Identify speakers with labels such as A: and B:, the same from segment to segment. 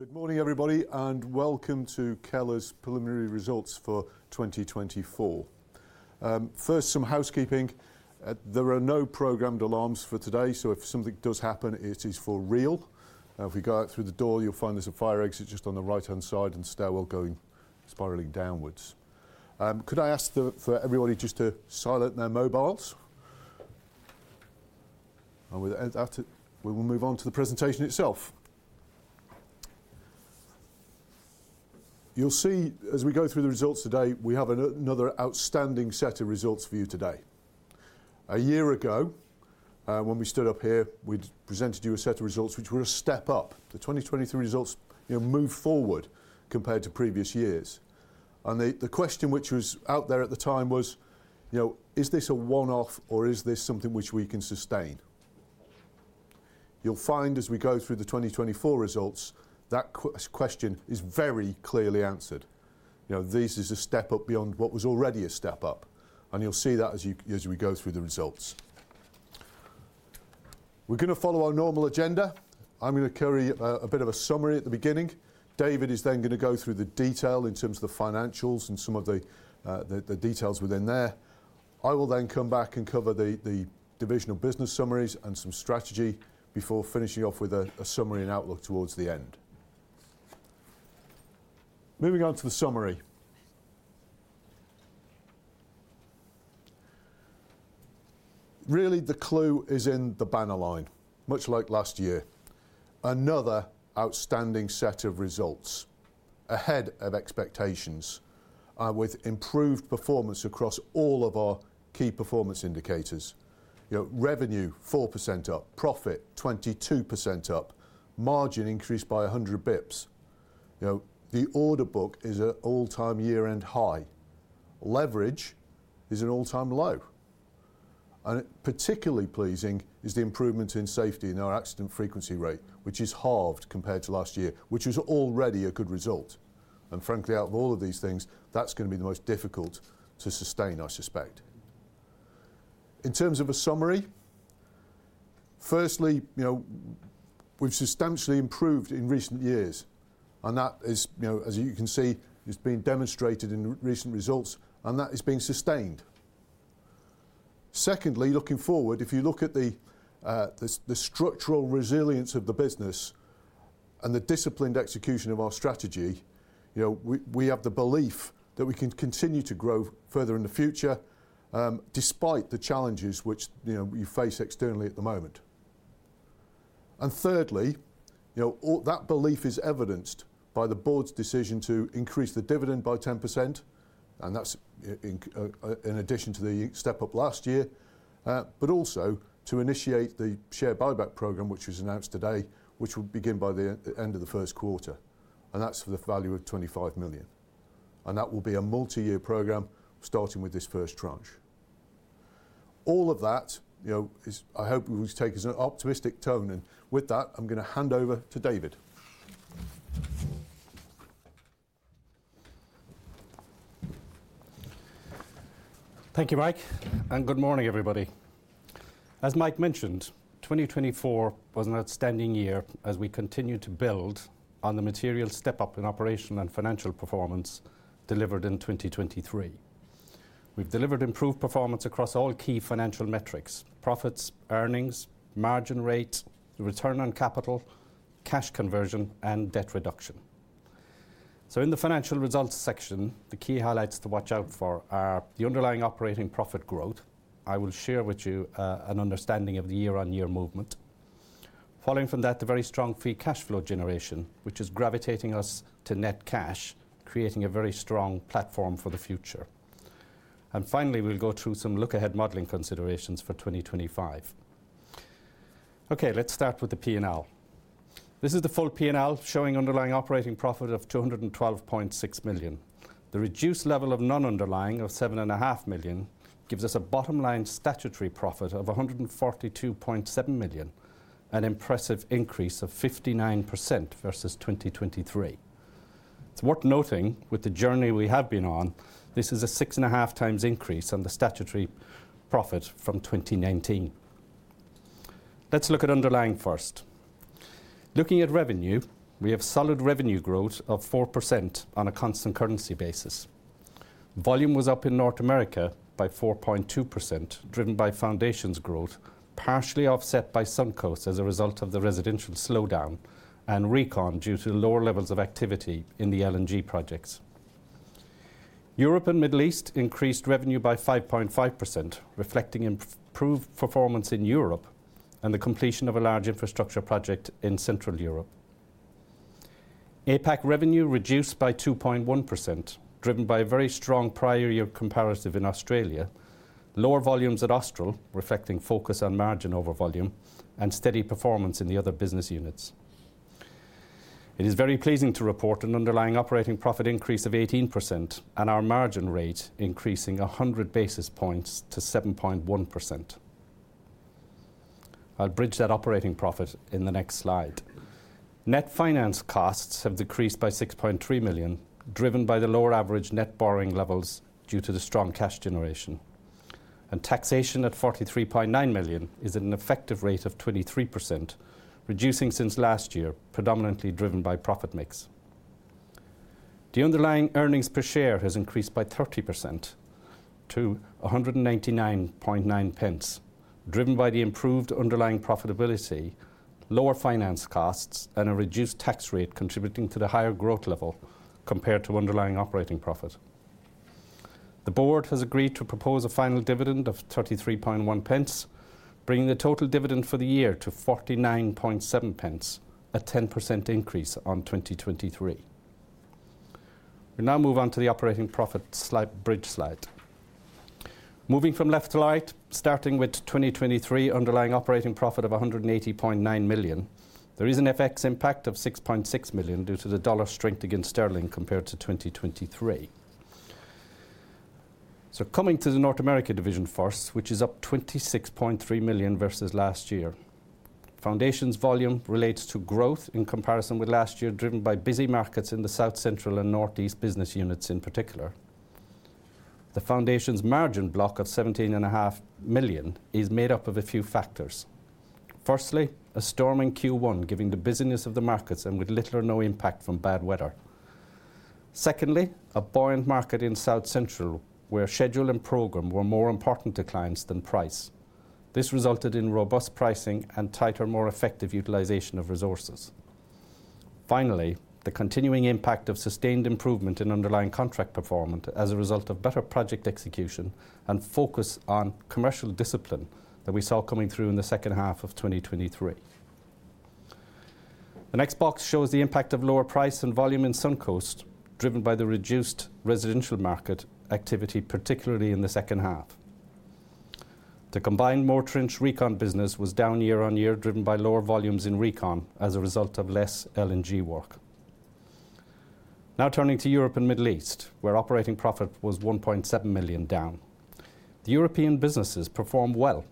A: Good morning, everybody, and welcome to Keller's preliminary results for 2024. First, some housekeeping: there are no programmed alarms for today, so if something does happen, it is for real. If we go out through the door, you'll find there's a fire exit just on the right-hand side and a stairwell going spiraling downwards. Could I ask for everybody just to silent their mobiles? After, we will move on to the presentation itself. You'll see, as we go through the results today, we have another outstanding set of results for you today. A year ago, when we stood up here, we presented you a set of results which were a step up. The 2023 results moved forward compared to previous years. The question which was out there at the time was, is this a one-off or is this something which we can sustain? You'll find, as we go through the 2024 results, that question is very clearly answered. This is a step up beyond what was already a step up. You'll see that as we go through the results. We're going to follow our normal agenda. I'm going to carry a bit of a summary at the beginning. David is then going to go through the detail in terms of the financials and some of the details within there. I will then come back and cover the divisional business summaries and some strategy before finishing off with a summary and outlook towards the end. Moving on to the summary. Really, the clue is in the banner line, much like last year. Another outstanding set of results, ahead of expectations, with improved performance across all of our key performance indicators. Revenue 4% up, profit 22% up, margin increased by 100 basis points. The order book is at all-time year-end high. Leverage is at all-time low. Particularly pleasing is the improvement in safety and our accident frequency rate, which is halved compared to last year, which was already a good result. Frankly, out of all of these things, that's going to be the most difficult to sustain, I suspect. In terms of a summary, firstly, we've substantially improved in recent years. That is, as you can see, it's been demonstrated in recent results, and that is being sustained. Secondly, looking forward, if you look at the structural resilience of the business and the disciplined execution of our strategy, we have the belief that we can continue to grow further in the future despite the challenges which you face externally at the moment. Thirdly, that belief is evidenced by the board's decision to increase the dividend by 10%, and that is in addition to the step up last year, but also to initiate the share buyback program, which was announced today, which will begin by the end of the first quarter. That is for the value of 25 million. That will be a multi-year program starting with this first tranche. All of that, I hope, will take an optimistic tone. With that, I'm going to hand over to David.
B: Thank you, Mike. Good morning, everybody. As Mike mentioned, 2024 was an outstanding year as we continued to build on the material step up in operational and financial performance delivered in 2023. We have delivered improved performance across all key financial metrics: profits, earnings, margin rate, return on capital, cash conversion, and debt reduction. In the financial results section, the key highlights to watch out for are the underlying operating profit growth. I will share with you an understanding of the year-on-year movement. Following from that, the very strong Free Cash Flow generation, which is gravitating us to net cash, creating a very strong platform for the future. Finally, we will go through some look-ahead modeling considerations for 2025. Let's start with the P&L. This is the full P&L showing underlying operating profit of 212.6 million. The reduced level of non-underlying of 7.5 million gives us a bottom-line statutory profit of 142.7 million, an impressive increase of 59% versus 2023. It's worth noting, with the journey we have been on, this is a 6.5x increase on the statutory profit from 2019. Let's look at underlying first. Looking at revenue, we have solid revenue growth of 4% on a constant currency basis. Volume was up in North America by 4.2%, driven by foundations growth, partially offset by sunk costs as a result of the residential slowdown and recon due to lower levels of activity in the LNG projects. Europe and the Middle East increased revenue by 5.5%, reflecting improved performance in Europe and the completion of a large infrastructure project in Central Europe. APAC revenue reduced by 2.1%, driven by a very strong prior year comparative in Australia, lower volumes at Austral, reflecting focus on margin over volume, and steady performance in the other business units. It is very pleasing to report an underlying operating profit increase of 18% and our margin rate increasing 100 basis points to 7.1%. I will bridge that operating profit in the next slide. Net finance costs have decreased by 6.3 million, driven by the lower average net borrowing levels due to the strong cash generation. Taxation at 43.9 million is at an effective rate of 23%, reducing since last year, predominantly driven by profit mix. The underlying earnings per share has increased by 30% to GBX 199.9, driven by the improved underlying profitability, lower finance costs, and a reduced tax rate contributing to the higher growth level compared to underlying operating profit. The board has agreed to propose a final dividend of GBX 0.331, bringing the total dividend for the year to GBX 0.497, a 10% increase on 2023. We'll now move on to the operating profit bridge slide. Moving from left to right, starting with 2023 underlying operating profit of 180.9 million, there is an FX impact of 6.6 million due to the dollar strength against sterling compared to 2023. Coming to the North America division force, which is up 26.3 million versus last year. Foundations volume relates to growth in comparison with last year, driven by busy markets in the South Central and Northeast business units in particular. The foundations margin block of 17.5 million is made up of a few factors. Firstly, a storming Q1 giving the busyness of the markets and with little or no impact from bad weather. Secondly, a buoyant market in South Central where schedule and program were more important to clients than price. This resulted in robust pricing and tighter, more effective utilization of resources. Finally, the continuing impact of sustained improvement in underlying contract performance as a result of better project execution and focus on commercial discipline that we saw coming through in the second half of 2023. The next box shows the impact of lower price and volume in Suncoast, driven by the reduced residential market activity, particularly in the second half. The combined Suncoast residential business was down year-on-year, driven by lower volumes in Suncoast as a result of less LNG work. Now turning to Europe and the Middle East, where operating profit was 1.7 million down. The European businesses performed well,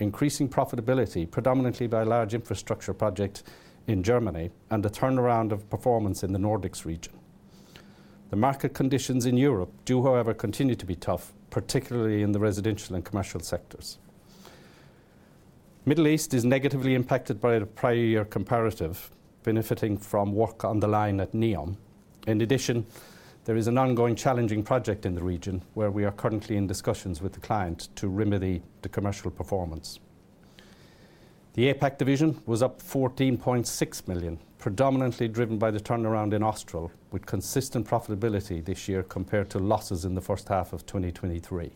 B: increasing profitability predominantly by large infrastructure projects in Germany and a turnaround of performance in the Nordics region. The market conditions in Europe do, however, continue to be tough, particularly in the residential and commercial sectors. The Middle East is negatively impacted by the prior year comparative, benefiting from work on The Line at NEOM. In addition, there is an ongoing challenging project in the region where we are currently in discussions with the client to remedy the commercial performance. The APAC division was up 14.6 million, predominantly driven by the turnaround in Austral, with consistent profitability this year compared to losses in the first half of 2023.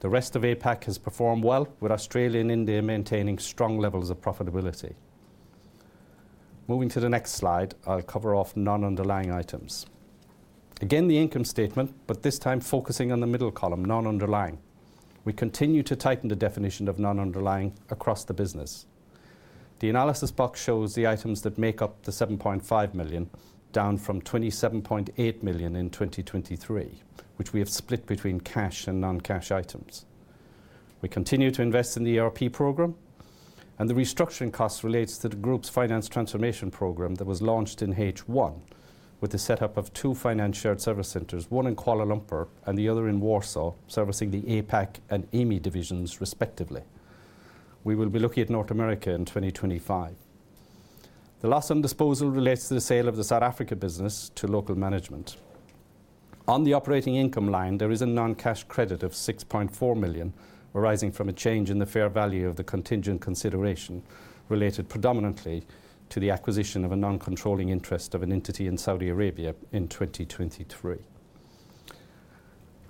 B: The rest of APAC has performed well, with Australia and India maintaining strong levels of profitability. Moving to the next slide, I'll cover off non-underlying items. Again, the income statement, but this time focusing on the middle column, non-underlying. We continue to tighten the definition of non-underlying across the business. The analysis box shows the items that make up the 7.5 million, down from 27.8 million in 2023, which we have split between cash and non-cash items. We continue to invest in the ERP program, and the restructuring cost relates to the group's finance transformation program that was launched in H1, with the setup of two finance shared service centers, one in Kuala Lumpur and the other in Warsaw, servicing the APAC and EMEA divisions, respectively. We will be looking at North America in 2025. The loss on disposal relates to the sale of the South Africa business to local management. On the operating income line, there is a non-cash credit of 6.4 million, arising from a change in the fair value of the contingent consideration related predominantly to the acquisition of a non-controlling interest of an entity in Saudi Arabia in 2023.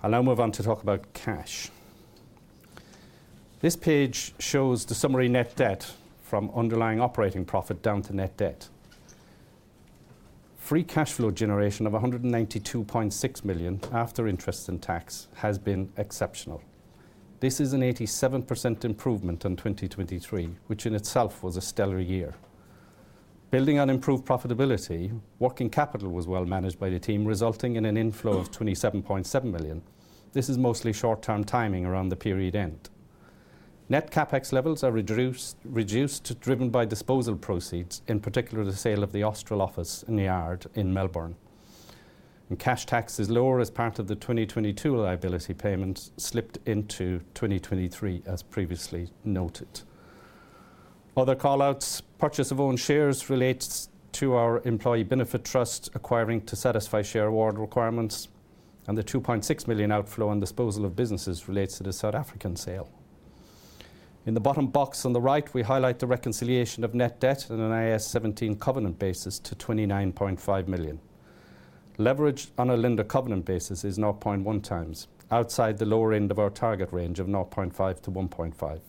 B: I'll now move on to talk about cash. This page shows the summary net debt from underlying operating profit down to net debt. Free Cash Flow generation of 192.6 million after interest and tax has been exceptional. This is an 87% improvement in 2023, which in itself was a stellar year. Building on improved profitability, working capital was well managed by the team, resulting in an inflow of 27.7 million. This is mostly short-term timing around the period end. Net CapEx levels are reduced, driven by disposal proceeds, in particular the sale of the Austral office and the yard in Melbourne. Cash tax is lower as part of the 2022 liability payments slipped into 2023, as previously noted. Other callouts, purchase of own shares relates to our employee benefit trust acquiring to satisfy share award requirements, and the 2.6 million outflow on disposal of businesses relates to the South African sale. In the bottom box on the right, we highlight the reconciliation of net debt on an IAS 17 covenant basis to 29.5 million. Leverage on a lender covenant basis is 0.1x, outside the lower end of our target range of 0.5x-1.5x.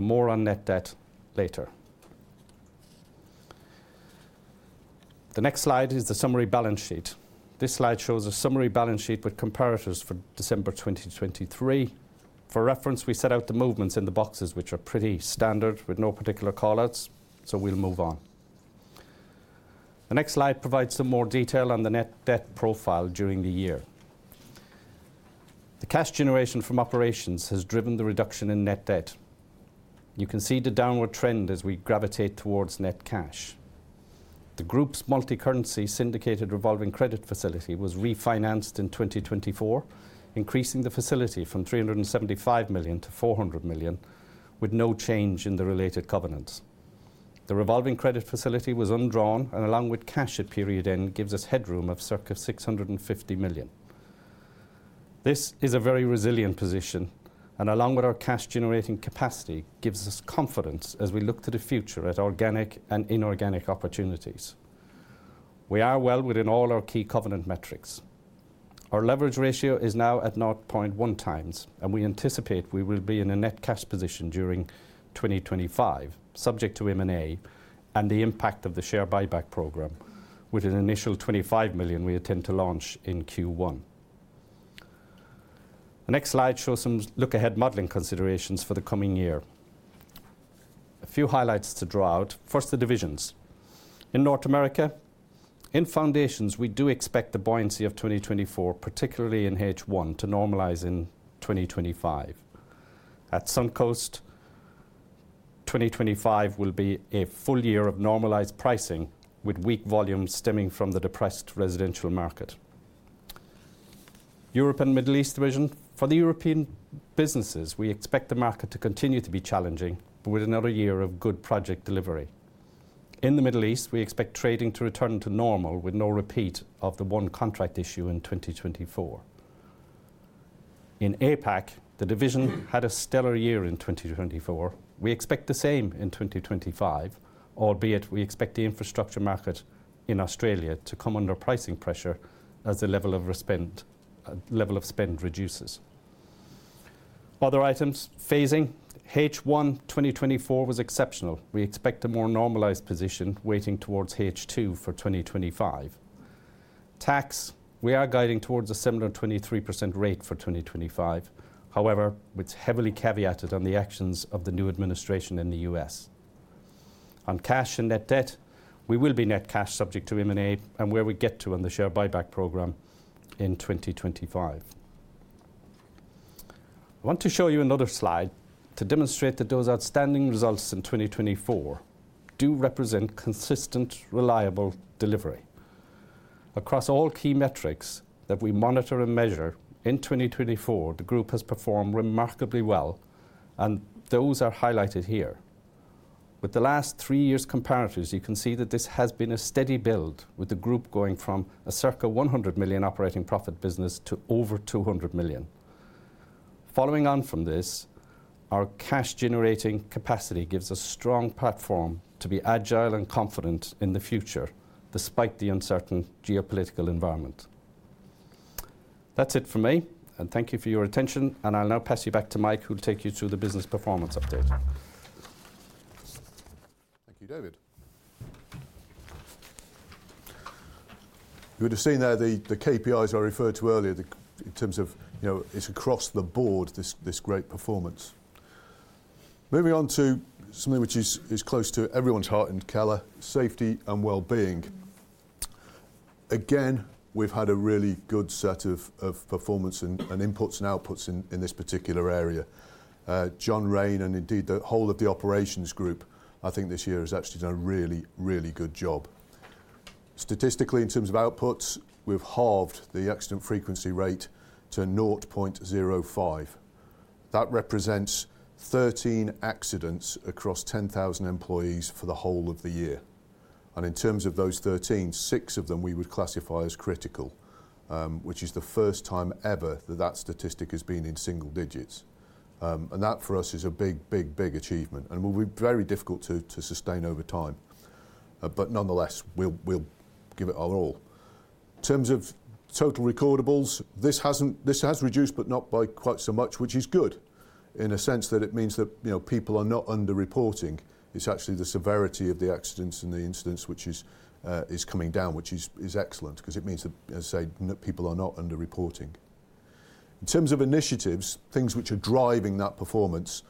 B: More on net debt later. The next slide is the summary balance sheet. This slide shows a summary balance sheet with comparatives for December 2023. For reference, we set out the movements in the boxes, which are pretty standard with no particular callouts, so we'll move on. The next slide provides some more detail on the net debt profile during the year. The cash generation from operations has driven the reduction in net debt. You can see the downward trend as we gravitate towards net cash. The group's multi-currency syndicated revolving credit facility was refinanced in 2024, increasing the facility from 375 million-400 million, with no change in the related covenants. The revolving credit facility was undrawn, and along with cash at period end, gives us headroom of circa 650 million. This is a very resilient position, and along with our cash-generating capacity, gives us confidence as we look to the future at organic and inorganic opportunities. We are well within all our key covenant metrics. Our leverage ratio is now at 0.1x, and we anticipate we will be in a net cash position during 2025, subject to M&A and the impact of the share buyback program, with an initial 25 million we intend to launch in Q1. The next slide shows some look-ahead modeling considerations for the coming year. A few highlights to draw out. First, the divisions. In North America, in foundations, we do expect the buoyancy of 2024, particularly in H1, to normalize in 2025. At sunk cost, 2025 will be a full year of normalized pricing, with weak volumes stemming from the depressed residential market. Europe and the Middle East division. For the European businesses, we expect the market to continue to be challenging, but with another year of good project delivery. In the Middle East, we expect trading to return to normal with no repeat of the one contract issue in 2024. In APAC, the division had a stellar year in 2024. We expect the same in 2025, albeit we expect the infrastructure market in Australia to come under pricing pressure as the level of spend reduces. Other items, phasing, H1 2024 was exceptional. We expect a more normalized position waiting towards H2 for 2025. Tax, we are guiding towards a similar 23% rate for 2025. However, it is heavily caveated on the actions of the new administration in the U.S. On cash and net debt, we will be net cash subject to M&A and where we get to on the share buyback program in 2025. I want to show you another slide to demonstrate that those outstanding results in 2024 do represent consistent, reliable delivery. Across all key metrics that we monitor and measure in 2024, the group has performed remarkably well, and those are highlighted here. With the last three years' comparatives, you can see that this has been a steady build, with the group going from a circa 100 million operating profit business to over 200 million. Following on from this, our cash-generating capacity gives a strong platform to be agile and confident in the future, despite the uncertain geopolitical environment. That's it for me, and thank you for your attention, and I'll now pass you back to Mike, who will take you through the business performance update.
A: Thank you, David. You would have seen there the KPIs I referred to earlier in terms of, it's across the board, this great performance. Moving on to something which is close to everyone's heart and Keller, safety and well-being. Again, we've had a really good set of performance and inputs and outputs in this particular area. John Raine and indeed the whole of the operations group, I think this year has actually done a really, really good job. Statistically, in terms of outputs, we've halved the accident frequency rate to 0.05. That represents 13 accidents across 10,000 employees for the whole of the year. In terms of those 13, six of them we would classify as critical, which is the first time ever that that statistic has been in single-digits. That for us is a big, big, big achievement, and will be very difficult to sustain over time. Nonetheless, we'll give it our all. In terms of total recordables, this has reduced, but not by quite so much, which is good in a sense that it means that people are not under-reporting. It's actually the severity of the accidents and the incidents which is coming down, which is excellent because it means that, as I say, people are not under-reporting. In terms of initiatives, things which are driving that performance,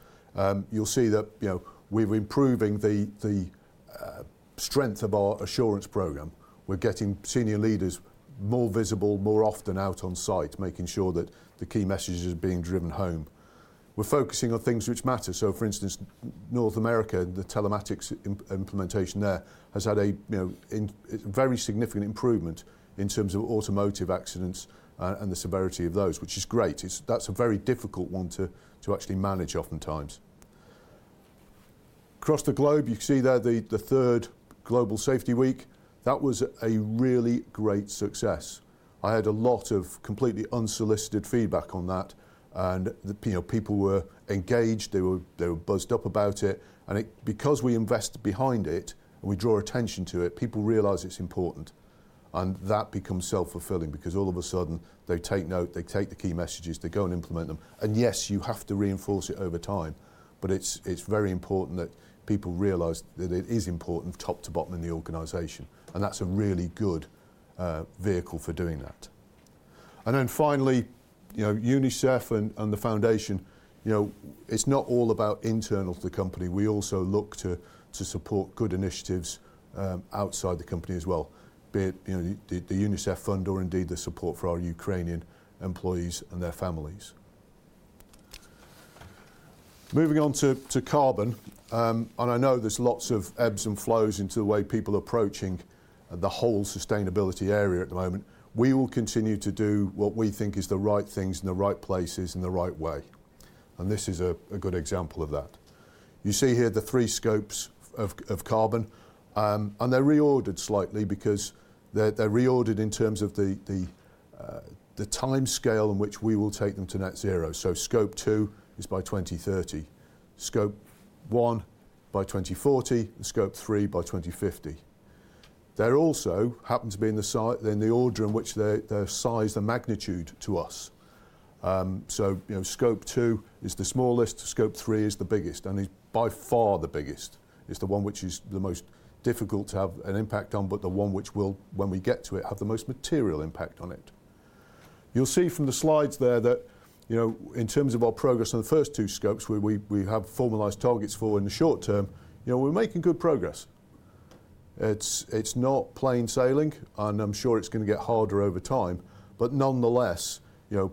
A: you'll see that we're improving the strength of our assurance program. We're getting senior leaders more visible, more often out on site, making sure that the key message is being driven home. We're focusing on things which matter. For instance, North America, the telematics implementation there has had a very significant improvement in terms of automotive accidents and the severity of those, which is great. That's a very difficult one to actually manage oftentimes. Across the globe, you see there the third global safety week. That was a really great success. I had a lot of completely unsolicited feedback on that, and people were engaged. They were buzzed up about it. Because we invest behind it and we draw attention to it, people realize it's important. That becomes self-fulfilling because all of a sudden they take note, they take the key messages, they go and implement them. Yes, you have to reinforce it over time, but it is very important that people realize that it is important top to bottom in the organization. That is a really good vehicle for doing that. Finally, UNICEF and the foundation, it is not all about internal to the company. We also look to support good initiatives outside the company as well, be it the UNICEF fund or indeed the support for our Ukrainian employees and their families. Moving on to carbon, and I know there are lots of ebbs and flows in the way people are approaching the whole sustainability area at the moment. We will continue to do what we think are the right things in the right places in the right way. This is a good example of that. You see here the three scopes of carbon, and they're reordered slightly because they're reordered in terms of the time scale in which we will take them to net zero. Scope two is by 2030, scope one by 2040, and scope three by 2050. There also happens to be in the order in which they're sized, the magnitude to us. Scope two is the smallest, scope three is the biggest, and it's by far the biggest. It's the one which is the most difficult to have an impact on, but the one which will, when we get to it, have the most material impact on it. You'll see from the slides there that in terms of our progress on the first two scopes, where we have formalized targets for in the short term, we're making good progress. It's not plain sailing, and I'm sure it's going to get harder over time, but nonetheless,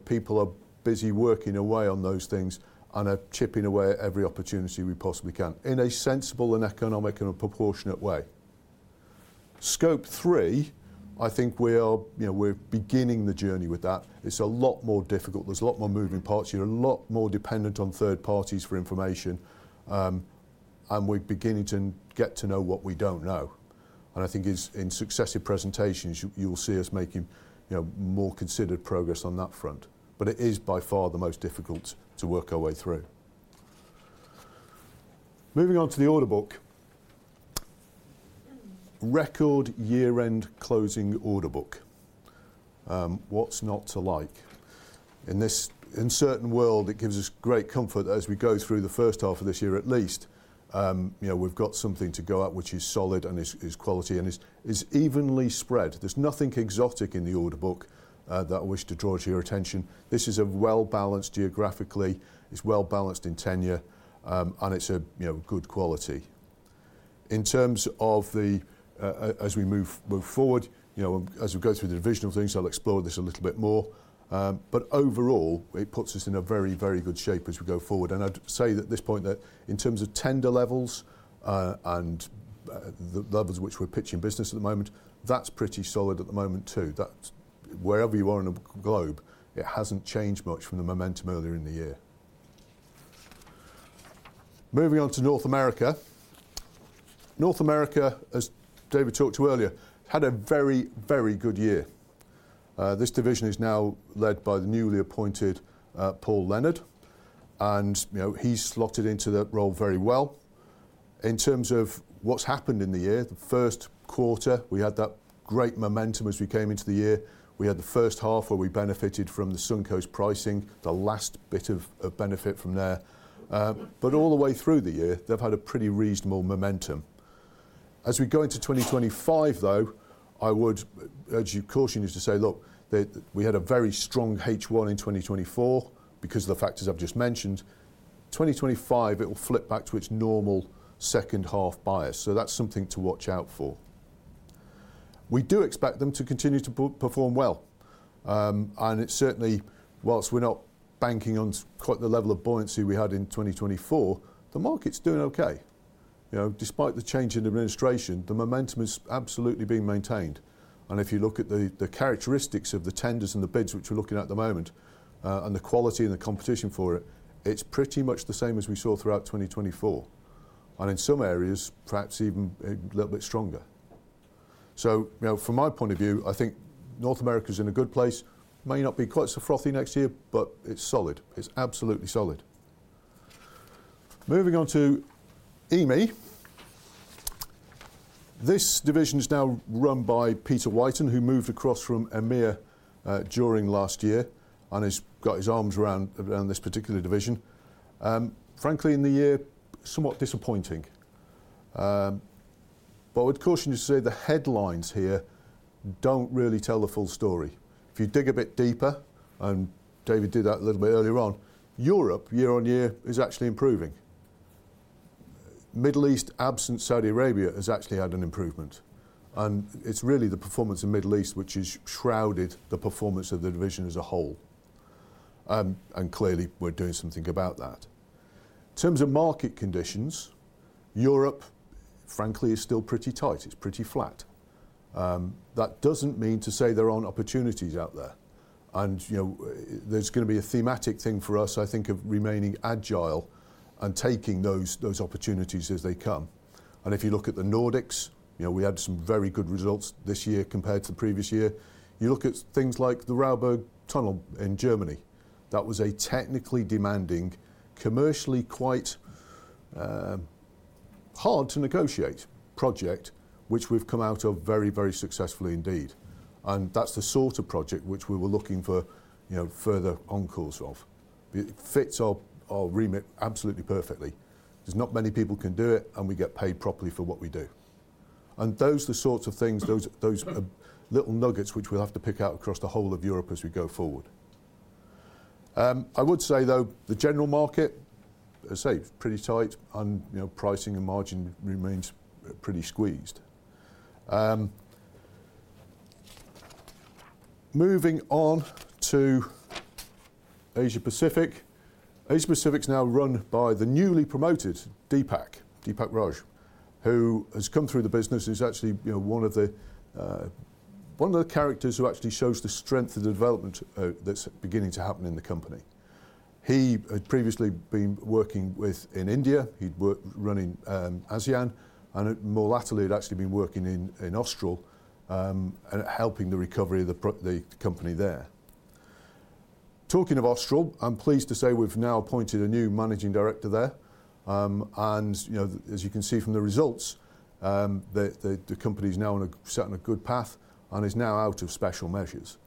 A: people are busy working away on those things and are chipping away at every opportunity we possibly can in a sensible and economic and a proportionate way. Scope 3, I think we're beginning the journey with that. It's a lot more difficult. There's a lot more moving parts. You're a lot more dependent on third parties for information, and we're beginning to get to know what we don't know. I think in successive presentations, you'll see us making more considered progress on that front, but it is by far the most difficult to work our way through. Moving on to the order book, record year-end closing order book, what's not to like? In this uncertain world, it gives us great comfort as we go through the first half of this year at least. We've got something to go at which is solid and is quality and is evenly spread. There's nothing exotic in the order book that I wish to draw to your attention. This is well-balanced geographically. It's well-balanced in tenure, and it's a good quality. In terms of the, as we move forward, as we go through the division of things, I'll explore this a little bit more. Overall, it puts us in a very, very good shape as we go forward. I'd say at this point that in terms of tender levels and the levels at which we're pitching business at the moment, that's pretty solid at the moment too. Wherever you are in the globe, it hasn't changed much from the momentum earlier in the year. Moving on to North America. North America, as David talked to earlier, had a very, very good year. This division is now led by the newly appointed Paul Leonard, and he's slotted into that role very well. In terms of what's happened in the year, the first quarter, we had that great momentum as we came into the year. We had the first half where we benefited from the sunk cost pricing, the last bit of benefit from there. All the way through the year, they've had a pretty reasonable momentum. As we go into 2025, though, I would urge you, caution you to say, "Look, we had a very strong H1 in 2024 because of the factors I've just mentioned." 2025, it will flip back to its normal second half bias. That is something to watch out for. We do expect them to continue to perform well. It is certainly, whilst we're not banking on quite the level of buoyancy we had in 2024, the market's doing okay. Despite the change in administration, the momentum has absolutely been maintained. If you look at the characteristics of the tenders and the bids which we're looking at at the moment, and the quality and the competition for it, it's pretty much the same as we saw throughout 2024. In some areas, perhaps even a little bit stronger. From my point of view, I think North America's in a good place. May not be quite so frothy next year, but it's solid. It's absolutely solid. Moving on to EMEA. This division is now run by Peter Whitten, who moved across from Emir during last year and has got his arms around this particular division. Frankly, in the year, somewhat disappointing. I would caution you to say the headlines here don't really tell the full story. If you dig a bit deeper, and David did that a little bit earlier on, Europe, year-on-year, is actually improving. Middle East, absent Saudi Arabia, has actually had an improvement. It's really the performance in Middle East which has shrouded the performance of the division as a whole. Clearly, we're doing something about that. In terms of market conditions, Europe, frankly, is still pretty tight. It's pretty flat. That doesn't mean to say there aren't opportunities out there. There's going to be a thematic thing for us, I think, of remaining agile and taking those opportunities as they come. If you look at the Nordics, we had some very good results this year compared to the previous year. You look at things like the Raubow Tunnel in Germany. That was a technically demanding, commercially quite hard to negotiate project, which we've come out of very, very successfully indeed. That is the sort of project which we were looking for further encores of. It fits our remit absolutely perfectly. There are not many people who can do it, and we get paid properly for what we do. Those are the sorts of things, those little nuggets which we'll have to pick out across the whole of Europe as we go forward. I would say, though, the general market, as I say, is pretty tight, and pricing and margin remain pretty squeezed. Moving on to Asia-Pacific. Asia-Pacific is now run by the newly promoted Deepak, Deepak Raj, who has come through the business and is actually one of the characters who actually shows the strength of the development that is beginning to happen in the company. He had previously been working with India. He'd run in ASEAN, and more laterally, he'd actually been working in Austral and helping the recovery of the company there. Talking of Austral, I'm pleased to say we've now appointed a new Managing Director there. As you can see from the results, the company's now set on a good path and is now out of special measures.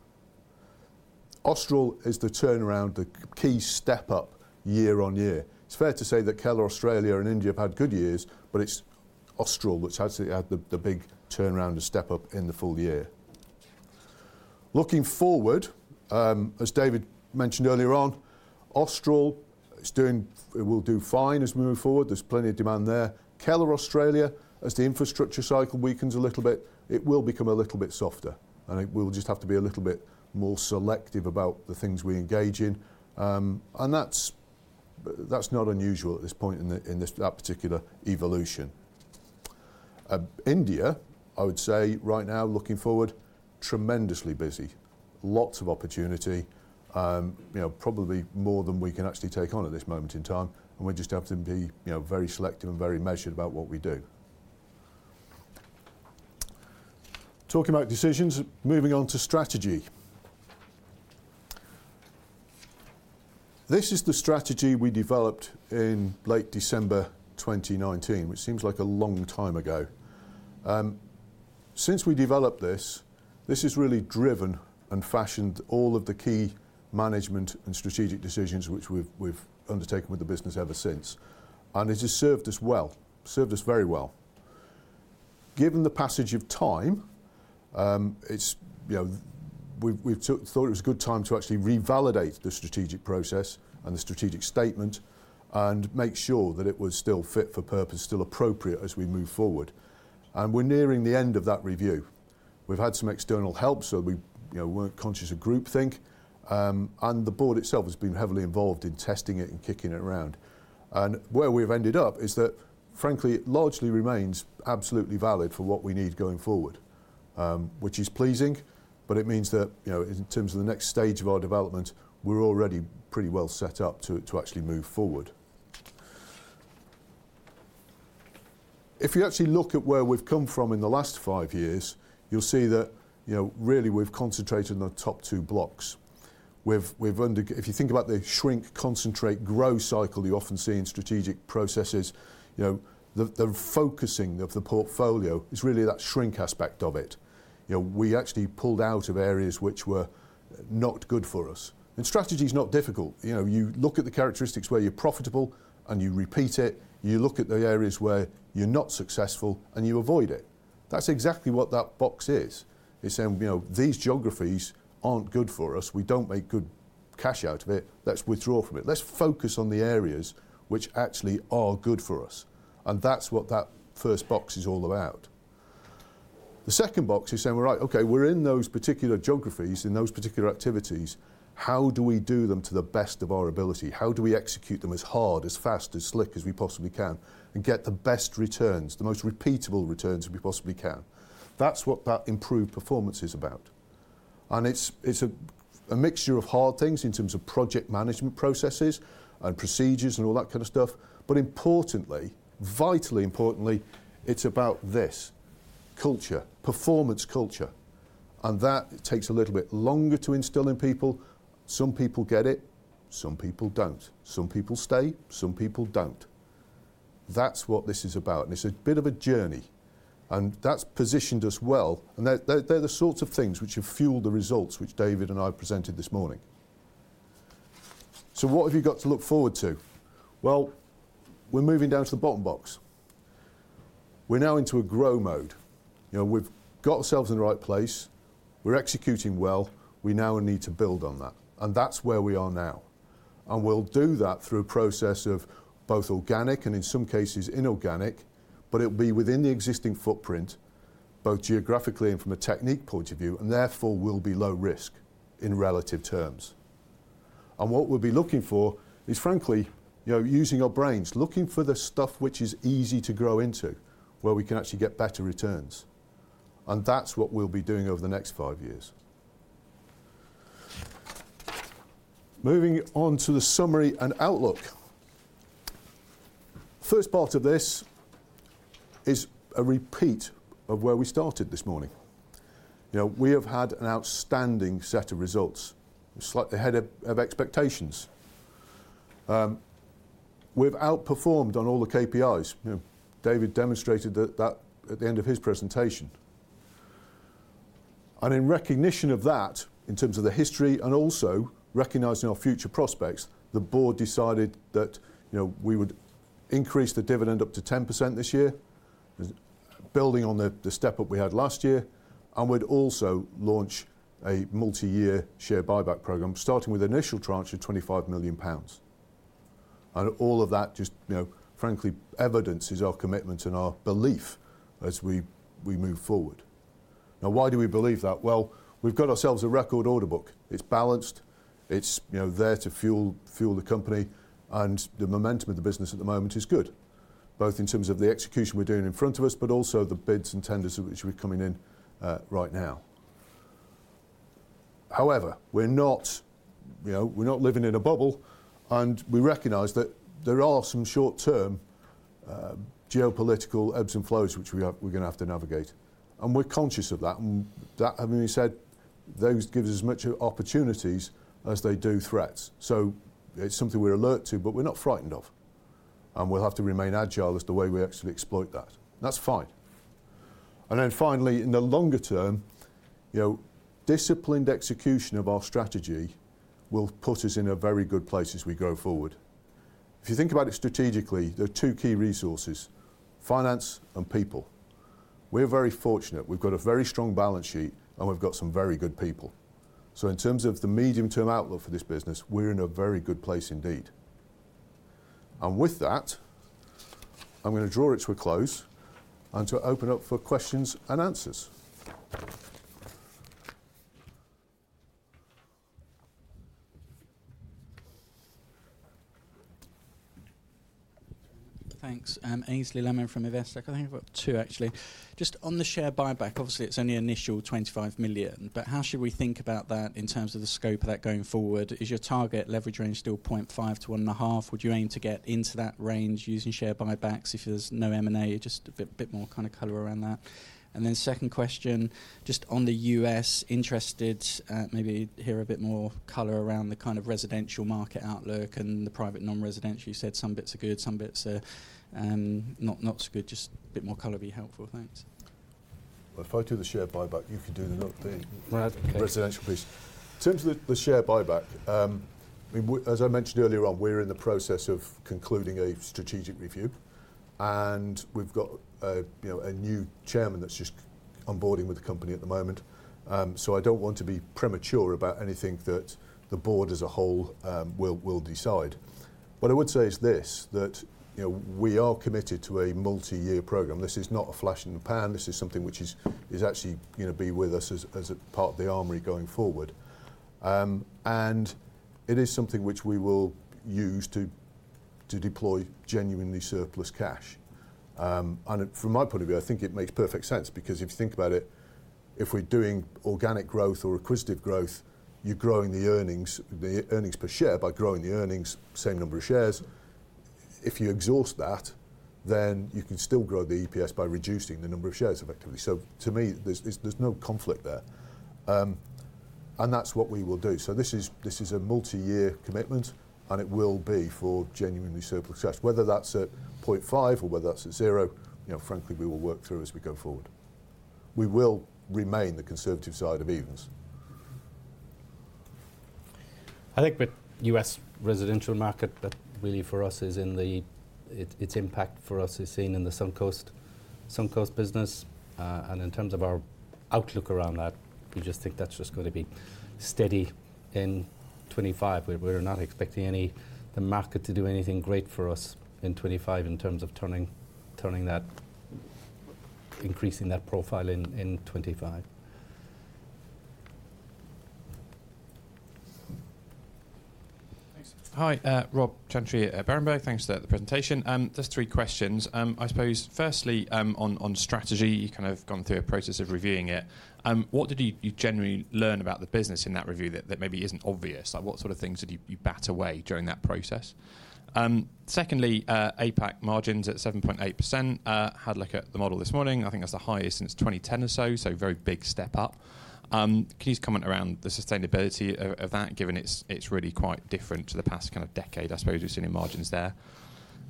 A: Austral is the turnaround, the key step-up year-on-year. It's fair to say that Keller, Australia, and India have had good years, but it's Austral that's actually had the big turnaround and step-up in the full year. Looking forward, as David mentioned earlier on, Austral will do fine as we move forward. There's plenty of demand there. Keller, Australia, as the infrastructure cycle weakens a little bit, it will become a little bit softer, and we'll just have to be a little bit more selective about the things we engage in. That is not unusual at this point in that particular evolution. India, I would say right now, looking forward, tremendously busy. Lots of opportunity, probably more than we can actually take on at this moment in time, and we just have to be very selective and very measured about what we do. Talking about decisions, moving on to strategy. This is the strategy we developed in late December 2019, which seems like a long time ago. Since we developed this, this has really driven and fashioned all of the key management and strategic decisions which we've undertaken with the business ever since. It has served us well, served us very well. Given the passage of time, we thought it was a good time to actually revalidate the strategic process and the strategic statement and make sure that it was still fit for purpose, still appropriate as we move forward. We are nearing the end of that review. We have had some external help, so we were not conscious of groupthink. The board itself has been heavily involved in testing it and kicking it around. Where we have ended up is that, frankly, it largely remains absolutely valid for what we need going forward, which is pleasing, but it means that in terms of the next stage of our development, we are already pretty well set up to actually move forward. If you actually look at where we have come from in the last five years, you will see that really we have concentrated on the top two blocks. If you think about the shrink, concentrate, grow cycle you often see in strategic processes, the focusing of the portfolio is really that shrink aspect of it. We actually pulled out of areas which were not good for us. Strategy's not difficult. You look at the characteristics where you're profitable and you repeat it. You look at the areas where you're not successful and you avoid it. That's exactly what that box is. It's saying, "These geographies aren't good for us. We don't make good cash out of it. Let's withdraw from it. Let's focus on the areas which actually are good for us." That's what that first box is all about. The second box is saying, "All right, okay, we're in those particular geographies, in those particular activities. How do we do them to the best of our ability? How do we execute them as hard, as fast, as slick as we possibly can and get the best returns, the most repeatable returns as we possibly can? That is what that improved performance is about. It is a mixture of hard things in terms of project management processes and procedures and all that kind of stuff. Importantly, vitally importantly, it is about this culture, performance culture. That takes a little bit longer to instill in people. Some people get it. Some people do not. Some people stay. Some people do not. That is what this is about. It is a bit of a journey. That has positioned us well. They are the sorts of things which have fueled the results which David and I presented this morning. What have you got to look forward to? We are moving down to the bottom box. We are now into a grow mode. We've got ourselves in the right place. We're executing well. We now need to build on that. That is where we are now. We'll do that through a process of both organic and in some cases inorganic, but it will be within the existing footprint, both geographically and from a technique point of view, and therefore will be low risk in relative terms. What we'll be looking for is, frankly, using our brains, looking for the stuff which is easy to grow into where we can actually get better returns. That is what we'll be doing over the next five years. Moving on to the summary and outlook. The first part of this is a repeat of where we started this morning. We have had an outstanding set of results. We're slightly ahead of expectations. We've outperformed on all the KPIs. David demonstrated that at the end of his presentation. In recognition of that, in terms of the history and also recognizing our future prospects, the board decided that we would increase the dividend up to 10% this year, building on the step-up we had last year, and would also launch a multi-year share buyback program, starting with the initial tranche of 25 million pounds. All of that just, frankly, evidences our commitment and our belief as we move forward. Now, why do we believe that? We have got ourselves a record order book. It is balanced. It is there to fuel the company. The momentum of the business at the moment is good, both in terms of the execution we are doing in front of us, but also the bids and tenders which are coming in right now. However, we're not living in a bubble, and we recognize that there are some short-term geopolitical ebbs and flows which we're going to have to navigate. We're conscious of that. That having been said, those give us as much opportunities as they do threats. It is something we're alert to, but we're not frightened of. We'll have to remain agile as to the way we actually exploit that. That's fine. Finally, in the longer term, disciplined execution of our strategy will put us in a very good place as we grow forward. If you think about it strategically, there are two key resources: finance and people. We're very fortunate. We've got a very strong balance sheet, and we've got some very good people. In terms of the medium-term outlook for this business, we're in a very good place indeed. With that, I'm going to draw it to a close and open up for questions and answers.
C: Thanks. Aynsley Lammin from Investec. I think I've got two, actually. Just on the share buyback, obviously, it's only initial 25 million, but how should we think about that in terms of the scope of that going forward? Is your target leverage range still 0.5x-1.5x? Would you aim to get into that range using share buybacks if there's no M&A? Just a bit more kind of color around that. Then second question, just on the U.S., interested maybe to hear a bit more color around the kind of residential market outlook and the private non-residential. You said some bits are good, some bits are not so good. Just a bit more color would be helpful. Thanks.
A: If I do the share buyback, you can do the residential piece. In terms of the share buyback, as I mentioned earlier on, we're in the process of concluding a strategic review. We have a new chairman that's just onboarding with the company at the moment. I do not want to be premature about anything that the board as a whole will decide. What I would say is this: we are committed to a multi-year program. This is not a flash in the pan. This is something which is actually going to be with us as part of the armory going forward. It is something which we will use to deploy genuinely surplus cash. From my point of view, I think it makes perfect sense because if you think about it, if we're doing organic growth or acquisitive growth, you're growing the earnings per share by growing the earnings, same number of shares. If you exhaust that, then you can still grow the EPS by reducing the number of shares effectively. To me, there is no conflict there. That is what we will do. This is a multi-year commitment, and it will be for genuinely surplus cash. Whether that is at 0.5x or whether that is at 0, frankly, we will work through as we go forward. We will remain the conservative side of evens.
B: I think the U.S. residential market, but really for us, its impact for us is seen in the Suncoast business. In terms of our outlook around that, we just think that is just going to be steady in 2025. We are not expecting the market to do anything great for us in 2025 in terms of turning that, increasing that profile in 2025.
D: Hi, Rob Chantry of Berenberg. Thanks for the presentation. Just three questions. I suppose, firstly, on strategy, you've kind of gone through a process of reviewing it. What did you generally learn about the business in that review that maybe isn't obvious? What sort of things did you bat away during that process? Secondly, APAC margins at 7.8%. Had a look at the model this morning. I think that's the highest since 2010 or so, so very big step up. Can you just comment around the sustainability of that, given it's really quite different to the past kind of decade, I suppose, we've seen in margins there?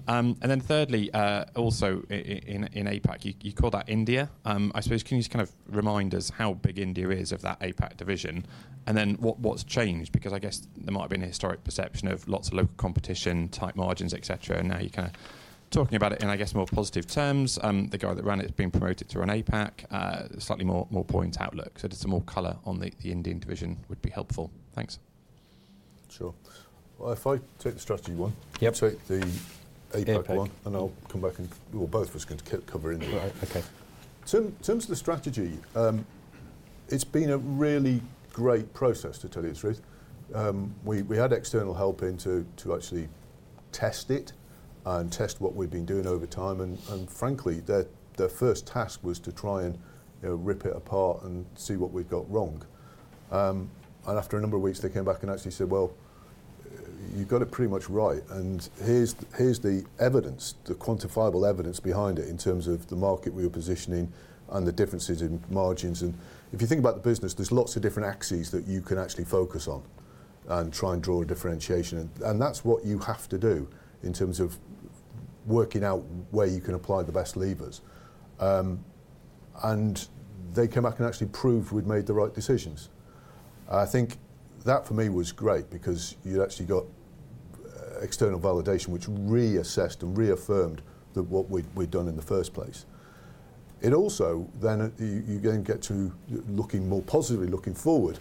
D: Thirdly, also in APAC, you call that India. I suppose, can you just kind of remind us how big India is of that APAC division? What’s changed? Because I guess there might have been a historic perception of lots of local competition, tight margins, etc. Now you're kind of talking about it in, I guess, more positive terms. The guy that ran it has been promoted to run APAC, slightly more points outlook. Just some more color on the Indian division would be helpful. Thanks.
A: Sure. If I take the strategy one, the APAC one, and I'll come back and we'll both just cover India.
B: Okay.
A: In terms of the strategy, it's been a really great process, to tell you the truth. We had external help in to actually test it and test what we've been doing over time. Frankly, their first task was to try and rip it apart and see what we'd got wrong. After a number of weeks, they came back and actually said, "Well, you've got it pretty much right. Here's the evidence, the quantifiable evidence behind it in terms of the market we were positioning and the differences in margins. If you think about the business, there's lots of different axes that you can actually focus on and try and draw a differentiation. That's what you have to do in terms of working out where you can apply the best levers. They came back and actually proved we'd made the right decisions. I think that for me was great because you actually got external validation which reassessed and reaffirmed what we'd done in the first place. It also then gets you looking more positively, looking forward.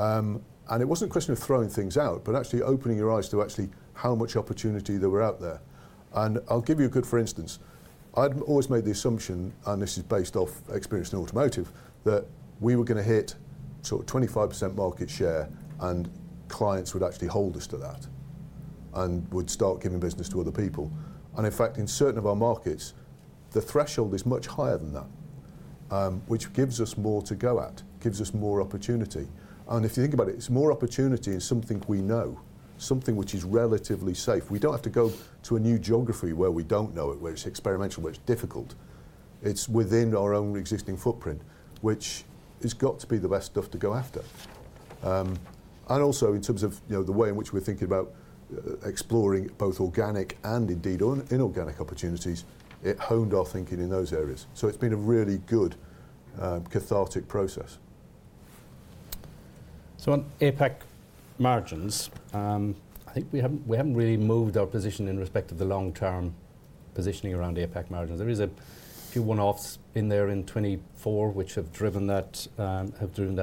A: It wasn't a question of throwing things out, but actually opening your eyes to actually how much opportunity there was out there. I'll give you a good for instance. I'd always made the assumption, and this is based off experience in automotive, that we were going to hit sort of 25% market share and clients would actually hold us to that and would start giving business to other people. In fact, in certain of our markets, the threshold is much higher than that, which gives us more to go at, gives us more opportunity. If you think about it, it's more opportunity in something we know, something which is relatively safe. We do not have to go to a new geography where we do not know it, where it's experimental, where it's difficult. It's within our own existing footprint, which has got to be the best stuff to go after. Also, in terms of the way in which we're thinking about exploring both organic and indeed inorganic opportunities, it honed our thinking in those areas. It's been a really good cathartic process.
B: On APAC margins, I think we haven't really moved our position in respect of the long-term positioning around APAC margins. There are a few one-offs in there in 2024 which have driven that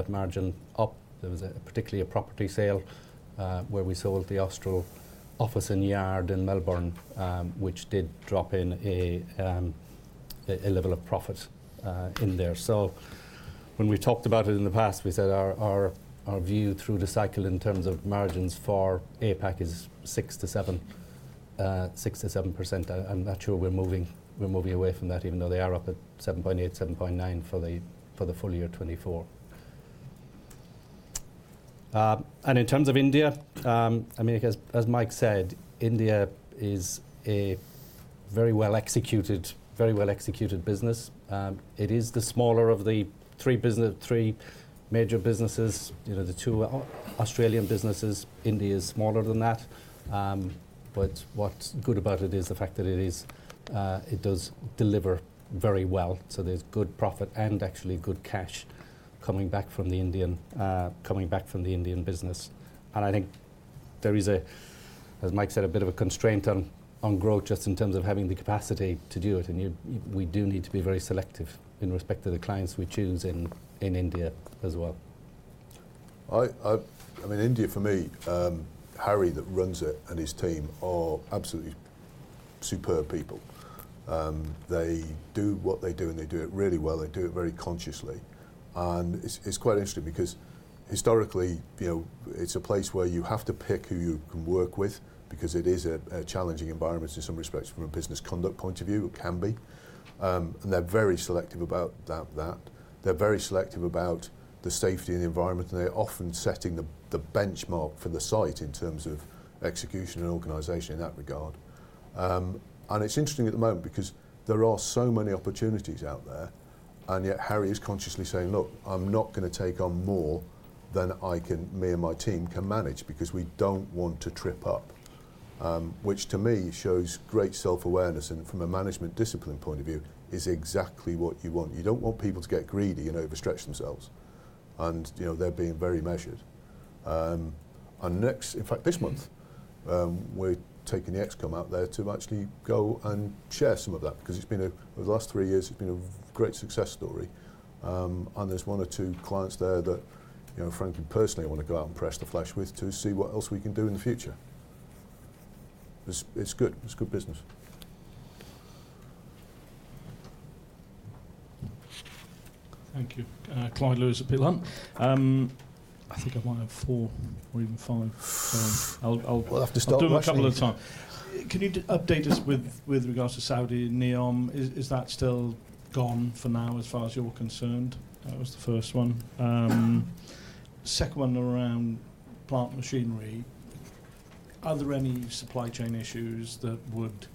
B: margin up. There was particularly a property sale where we sold the Austral office and yard in Melbourne, which did drop in a level of profit in there. When we talked about it in the past, we said our view through the cycle in terms of margins for APAC is 6%-7%. I'm not sure we're moving away from that, even though they are up at 7.8%, 7.9% for the full year 2024. In terms of India, I mean, as Mike said, India is a very well-executed business. It is the smaller of the three major businesses. The two are Australian businesses. India is smaller than that. What is good about it is the fact that it does deliver very well. There is good profit and actually good cash coming back from the Indian business. I think there is, as Mike said, a bit of a constraint on growth just in terms of having the capacity to do it. We do need to be very selective in respect to the clients we choose in India as well.
A: I mean, India for me, Harry that runs it and his team are absolutely superb people. They do what they do, and they do it really well. They do it very consciously. It is quite interesting because historically, it is a place where you have to pick who you can work with because it is a challenging environment in some respects from a business conduct point of view. It can be. They're very selective about that. They're very selective about the safety and the environment. They're often setting the benchmark for the site in terms of execution and organization in that regard. It's interesting at the moment because there are so many opportunities out there. Yet Harry is consciously saying, "Look, I'm not going to take on more than me and my team can manage because we don't want to trip up," which to me shows great self-awareness. From a management discipline point of view, it's exactly what you want. You don't want people to get greedy and overstretch themselves. They're being very measured. Next, in fact, this month, we're taking the excom out there to actually go and share some of that because over the last three years, it's been a great success story. There is one or two clients there that, frankly, personally, I want to go out and press the flesh with to see what else we can do in the future. It is good. It is good business.
E: Thank you. Clyde Lewis at Peel Hunt. I think I might have four or even five. I will do them a couple of times. Can you update us with regards to Saudi NEOM? Is that still gone for now as far as you are concerned? That was the first one. Second one around plant machinery. Are there any supply chain issues that would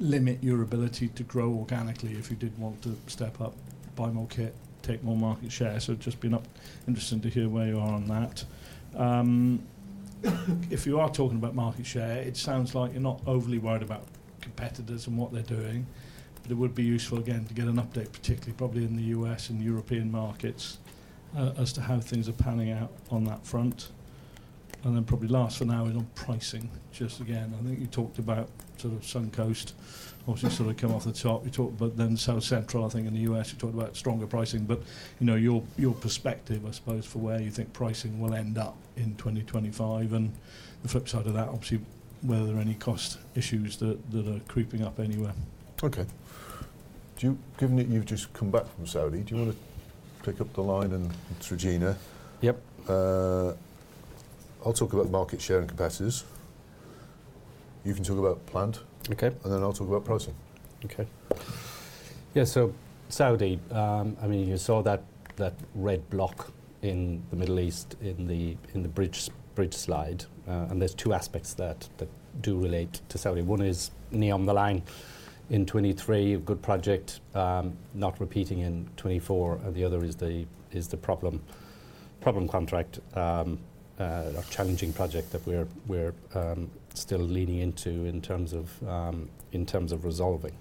E: limit your ability to grow organically if you did want to step up, buy more kit, take more market share? It would just be interesting to hear where you are on that. If you are talking about market share, it sounds like you are not overly worried about competitors and what they are doing. It would be useful, again, to get an update, particularly probably in the U.S. and European markets, as to how things are panning out on that front. Probably last for now is on pricing. Just again, I think you talked about sort of Suncoast, obviously sort of came off the top. You talked about then South Central, I think, in the U.S. You talked about stronger pricing. Your perspective, I suppose, for where you think pricing will end up in 2025 and the flip side of that, obviously, whether there are any cost issues that are creeping up anywhere.
A: Okay. Given that you've just come back from Saudi, do you want to pick up the line? It's Regina.
B: Yep.
A: I'll talk about market share and competitors. You can talk about plant.
B: Okay.
A: Then I'll talk about pricing.
B: Okay. Yeah. Saudi, I mean, you saw that red block in the Middle East in the bridge slide. There are two aspects that do relate to Saudi. One is NEOM The Line in 2023, a good project, not repeating in 2024. The other is the problem contract, a challenging project that we're still leaning into in terms of resolving.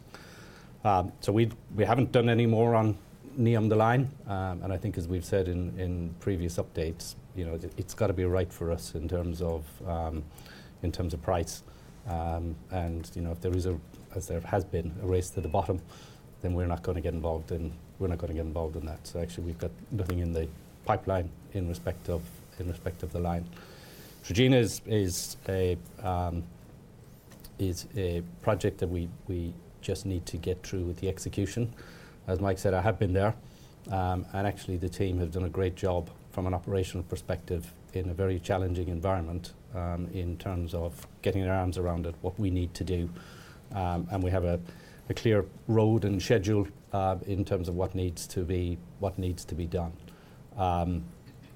B: We haven't done any more on NEOM The Line. I think, as we've said in previous updates, it's got to be right for us in terms of price. If there is a, as there has been, a race to the bottom, then we're not going to get involved in, we're not going to get involved in that. Actually, we've got nothing in the pipeline in respect of The Line. Regina is a project that we just need to get through with the execution. As Mike said, I have been there. Actually, the team have done a great job from an operational perspective in a very challenging environment in terms of getting their arms around it, what we need to do. We have a clear road and schedule in terms of what needs to be done.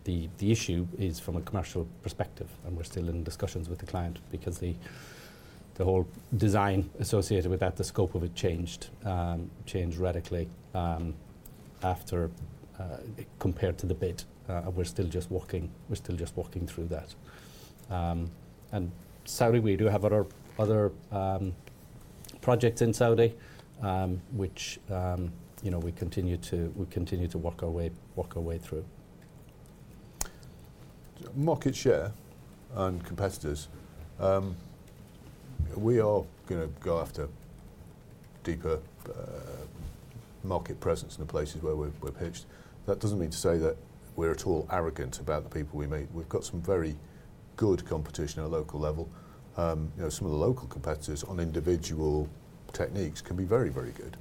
B: The issue is from a commercial perspective, and we're still in discussions with the client because the whole design associated with that, the scope of it changed radically compared to the bid. We're still just walking through that. In Saudi, we do have other projects in Saudi, which we continue to work our way through.
A: Market share and competitors. We are going to go after deeper market presence in the places where we're pitched. That does not mean to say that we're at all arrogant about the people we meet. We've got some very good competition at a local level. Some of the local competitors on individual techniques can be very, very good.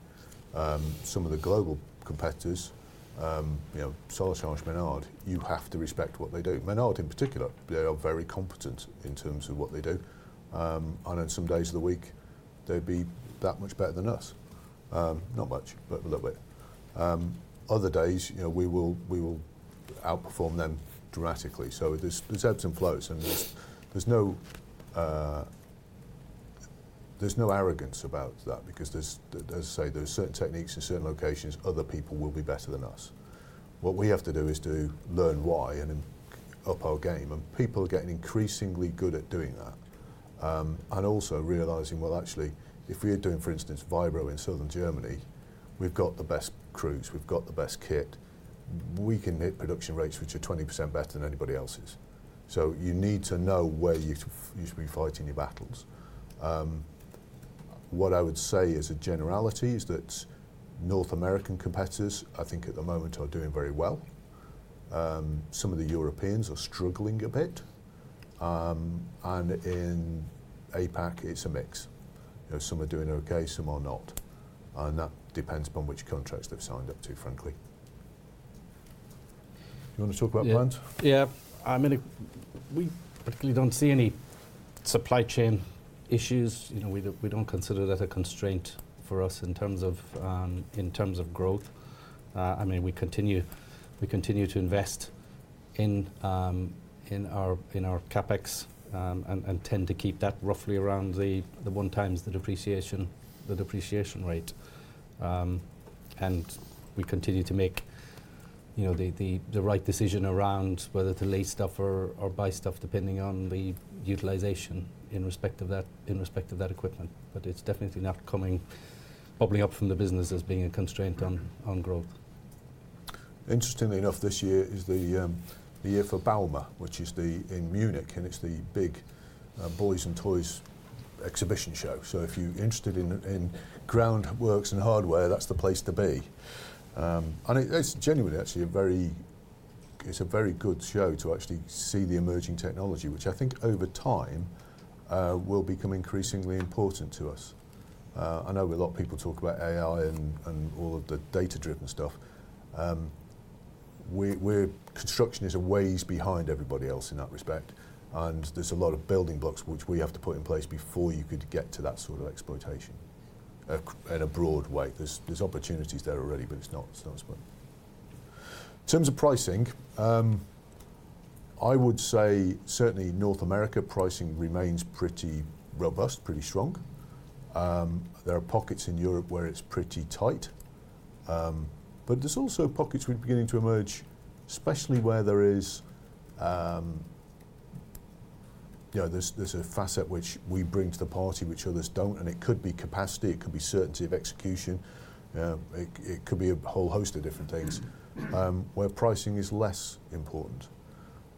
A: Some of the global competitors, Soletanche Bachy, Menard, you have to respect what they do. Menard in particular, they are very competent in terms of what they do. On some days of the week, they'd be that much better than us. Not much, but a little bit. Other days, we will outperform them dramatically. There are ebbs and flows. There is no arrogance about that because, as I say, there are certain techniques in certain locations, other people will be better than us. What we have to do is to learn why and up our game. People are getting increasingly good at doing that. Also realizing, actually, if we are doing, for instance, Vibro in southern Germany, we've got the best crews. We've got the best kit. We can hit production rates which are 20% better than anybody else's. You need to know where you should be fighting your battles. What I would say as a generality is that North American competitors, I think at the moment, are doing very well. Some of the Europeans are struggling a bit. In APAC, it's a mix. Some are doing okay, some are not. That depends upon which contracts they've signed up to, frankly. Do you want to talk about plants?
B: Yeah. I mean, we particularly don't see any supply chain issues. We don't consider that a constraint for us in terms of growth. I mean, we continue to invest in our CapEx and tend to keep that roughly around the one times the depreciation rate. We continue to make the right decision around whether to lease stuff or buy stuff depending on the utilization in respect of that equipment. It is definitely not coming bubbling up from the business as being a constraint on growth.
A: Interestingly enough, this year is the year for Bauma, which is in Munich, and it is the big boys and toys exhibition show. If you are interested in groundworks and hardware, that is the place to be. It is genuinely actually a very good show to actually see the emerging technology, which I think over time will become increasingly important to us. I know a lot of people talk about AI and all of the data-driven stuff. Construction is a ways behind everybody else in that respect. There is a lot of building blocks which we have to put in place before you could get to that sort of exploitation in a broad way. There are opportunities there already, but it is not as much. In terms of pricing, I would say certainly North America pricing remains pretty robust, pretty strong. There are pockets in Europe where it is pretty tight. There are also pockets we are beginning to emerge, especially where there is a facet which we bring to the party which others do not. It could be capacity. It could be certainty of execution. It could be a whole host of different things where pricing is less important.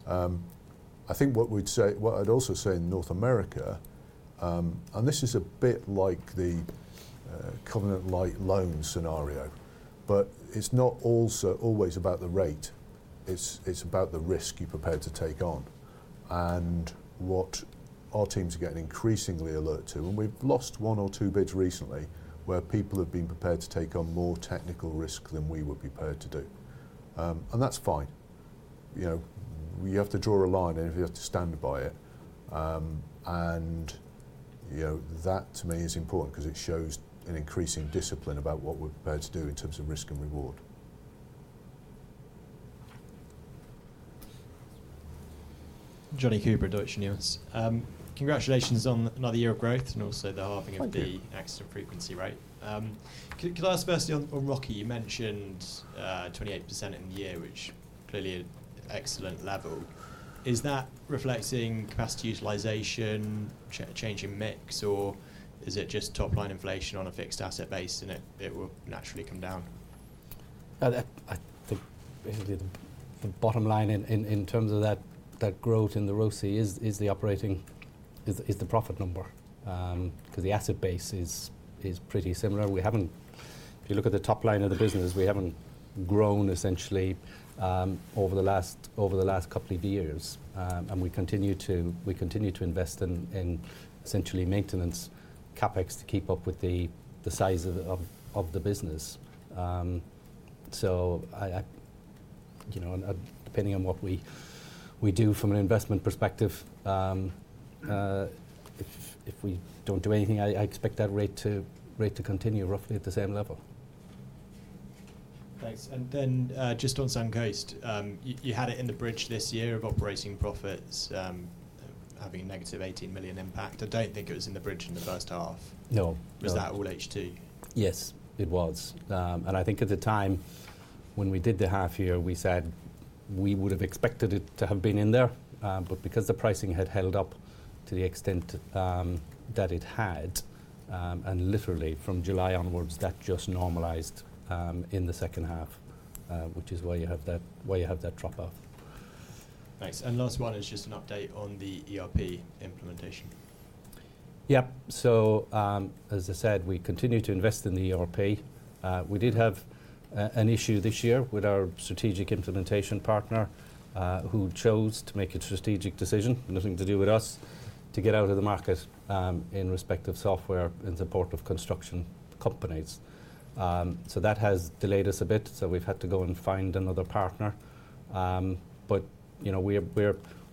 A: I think what I would also say in North America, and this is a bit like the Covenant Light Loan scenario, but it is not also always about the rate. It's about the risk you're prepared to take on and what our teams are getting increasingly alert to. We've lost one or two bids recently where people have been prepared to take on more technical risk than we were prepared to do. That is fine. You have to draw a line, and you have to stand by it. That, to me, is important because it shows an increasing discipline about what we're prepared to do in terms of risk and reward.
F: Johnny Cooper, Deutsche Numis. Congratulations on another year of growth and also the halving of the accident frequency rate. Could I ask first on ROCE? You mentioned 28% in the year, which clearly is an excellent level. Is that reflecting capacity utilization, a change in mix, or is it just top-line inflation on a fixed asset base and it will naturally come down?
B: I think basically the bottom line in terms of that growth in the ROCE is the operating, is the profit number because the asset base is pretty similar. If you look at the top line of the business, we have not grown essentially over the last couple of years. We continue to invest in essentially maintenance CapEx to keep up with the size of the business. Depending on what we do from an investment perspective, if we do not do anything, I expect that rate to continue roughly at the same level.
F: Thanks. Just on Suncoast, you had it in the bridge this year of operating profits having a -18 million impact. I do not think it was in the bridge in the first half?
B: No.
F: Was that all H2?
B: Yes, it was. I think at the time when we did the half year, we said we would have expected it to have been in there. Because the pricing had held up to the extent that it had, and literally from July onwards, that just normalized in the second half, which is why you have that drop-off.
F: Thanks. Last one is just an update on the ERP implementation?
B: Yep. As I said, we continue to invest in the ERP. We did have an issue this year with our strategic implementation partner who chose to make a strategic decision, nothing to do with us, to get out of the market in respect of software in support of construction companies. That has delayed us a bit. We have had to go and find another partner.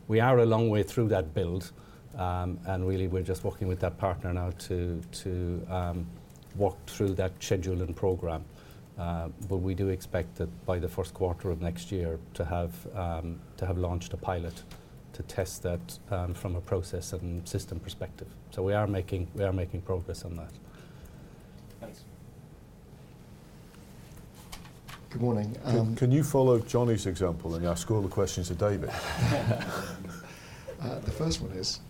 B: We are a long way through that build. We are just working with that partner now to work through that schedule and program. We do expect that by the first quarter of next year to have launched a pilot to test that from a process and system perspective. We are making progress on that.
F: Thanks.
A: Good morning. Can you follow Johnny's example and ask all the questions to David? The first one is,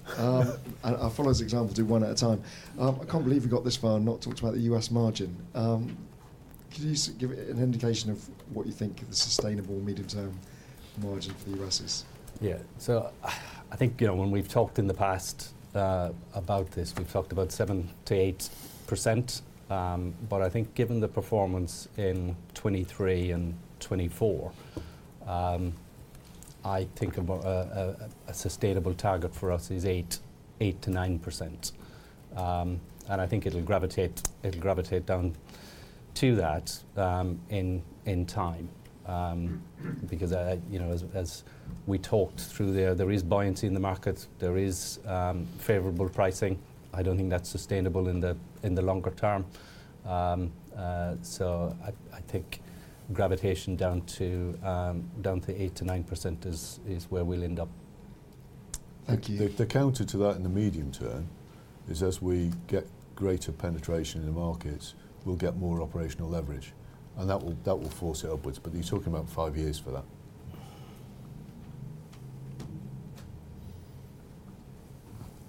A: I'll follow his example, do one at a time. I can't believe we got this far and not talked about the U.S. margin. Could you give an indication of what you think the sustainable medium-term margin for the U.S. is?
B: Yeah. I think when we've talked in the past about this, we've talked about 7%-8%. I think given the performance in 2023 and 2024, I think a sustainable target for us is 8%-9%. I think it'll gravitate down to that in time because as we talked through there, there is buoyancy in the markets. There is favorable pricing. I don't think that's sustainable in the longer term. I think gravitation down to 8%-9% is where we'll end up. Thank you.
A: The counter to that in the medium term is as we get greater penetration in the markets, we'll get more operational leverage. That will force it upwards. You're talking about five years for that.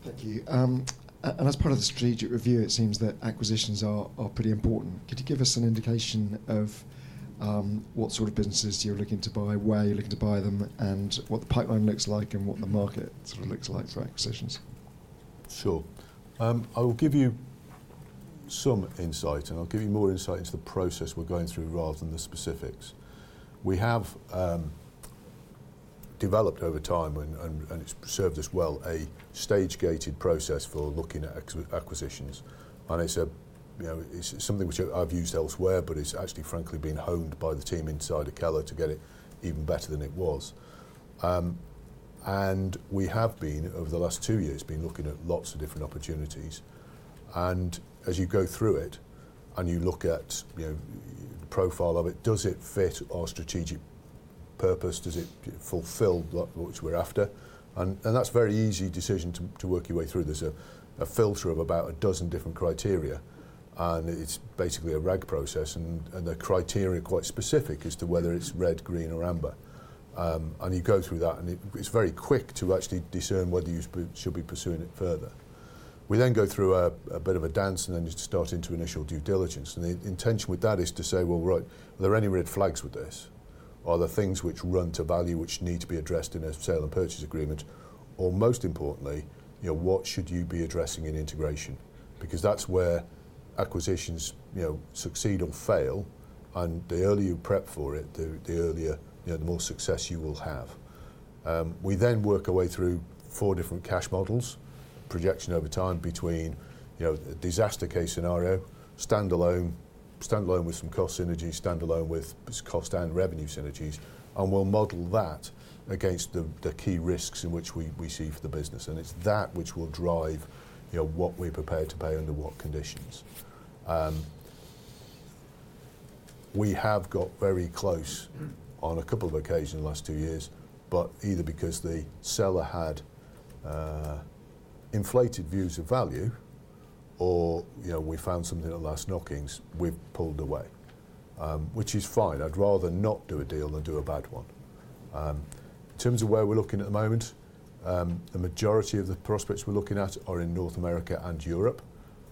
A: Thank you. As part of the strategic review, it seems that acquisitions are pretty important. Could you give us an indication of what sort of businesses you're looking to buy, where you're looking to buy them, and what the pipeline looks like and what the market sort of looks like for acquisitions? Sure. I will give you some insight, and I'll give you more insight into the process we're going through rather than the specifics. We have developed over time, and it's served us well, a stage-gated process for looking at acquisitions. It's something which I've used elsewhere, but it's actually, frankly, been honed by the team inside of Keller to get it even better than it was. We have been, over the last two years, looking at lots of different opportunities. As you go through it and you look at the profile of it, does it fit our strategic purpose? Does it fulfill what we're after? That's a very easy decision to work your way through. There's a filter of about a dozen different criteria. It's basically a RAG process. The criteria are quite specific as to whether it's red, green, or amber. You go through that, and it's very quick to actually discern whether you should be pursuing it further. We then go through a bit of a dance and then just start into initial due diligence. The intention with that is to say, right, are there any red flags with this? Are there things which run to value which need to be addressed in a sale and purchase agreement? Or most importantly, what should you be addressing in integration? Because that's where acquisitions succeed or fail. The earlier you prep for it, the earlier, the more success you will have. We then work our way through four different cash models, projection over time between disaster case scenario, standalone with some cost synergies, standalone with cost and revenue synergies. We will model that against the key risks in which we see for the business. It is that which will drive what we are prepared to pay under what conditions. We have got very close on a couple of occasions in the last two years, but either because the seller had inflated views of value or we found something at last knockings, we have pulled away, which is fine. I would rather not do a deal than do a bad one. In terms of where we are looking at the moment, the majority of the prospects we are looking at are in North America and Europe.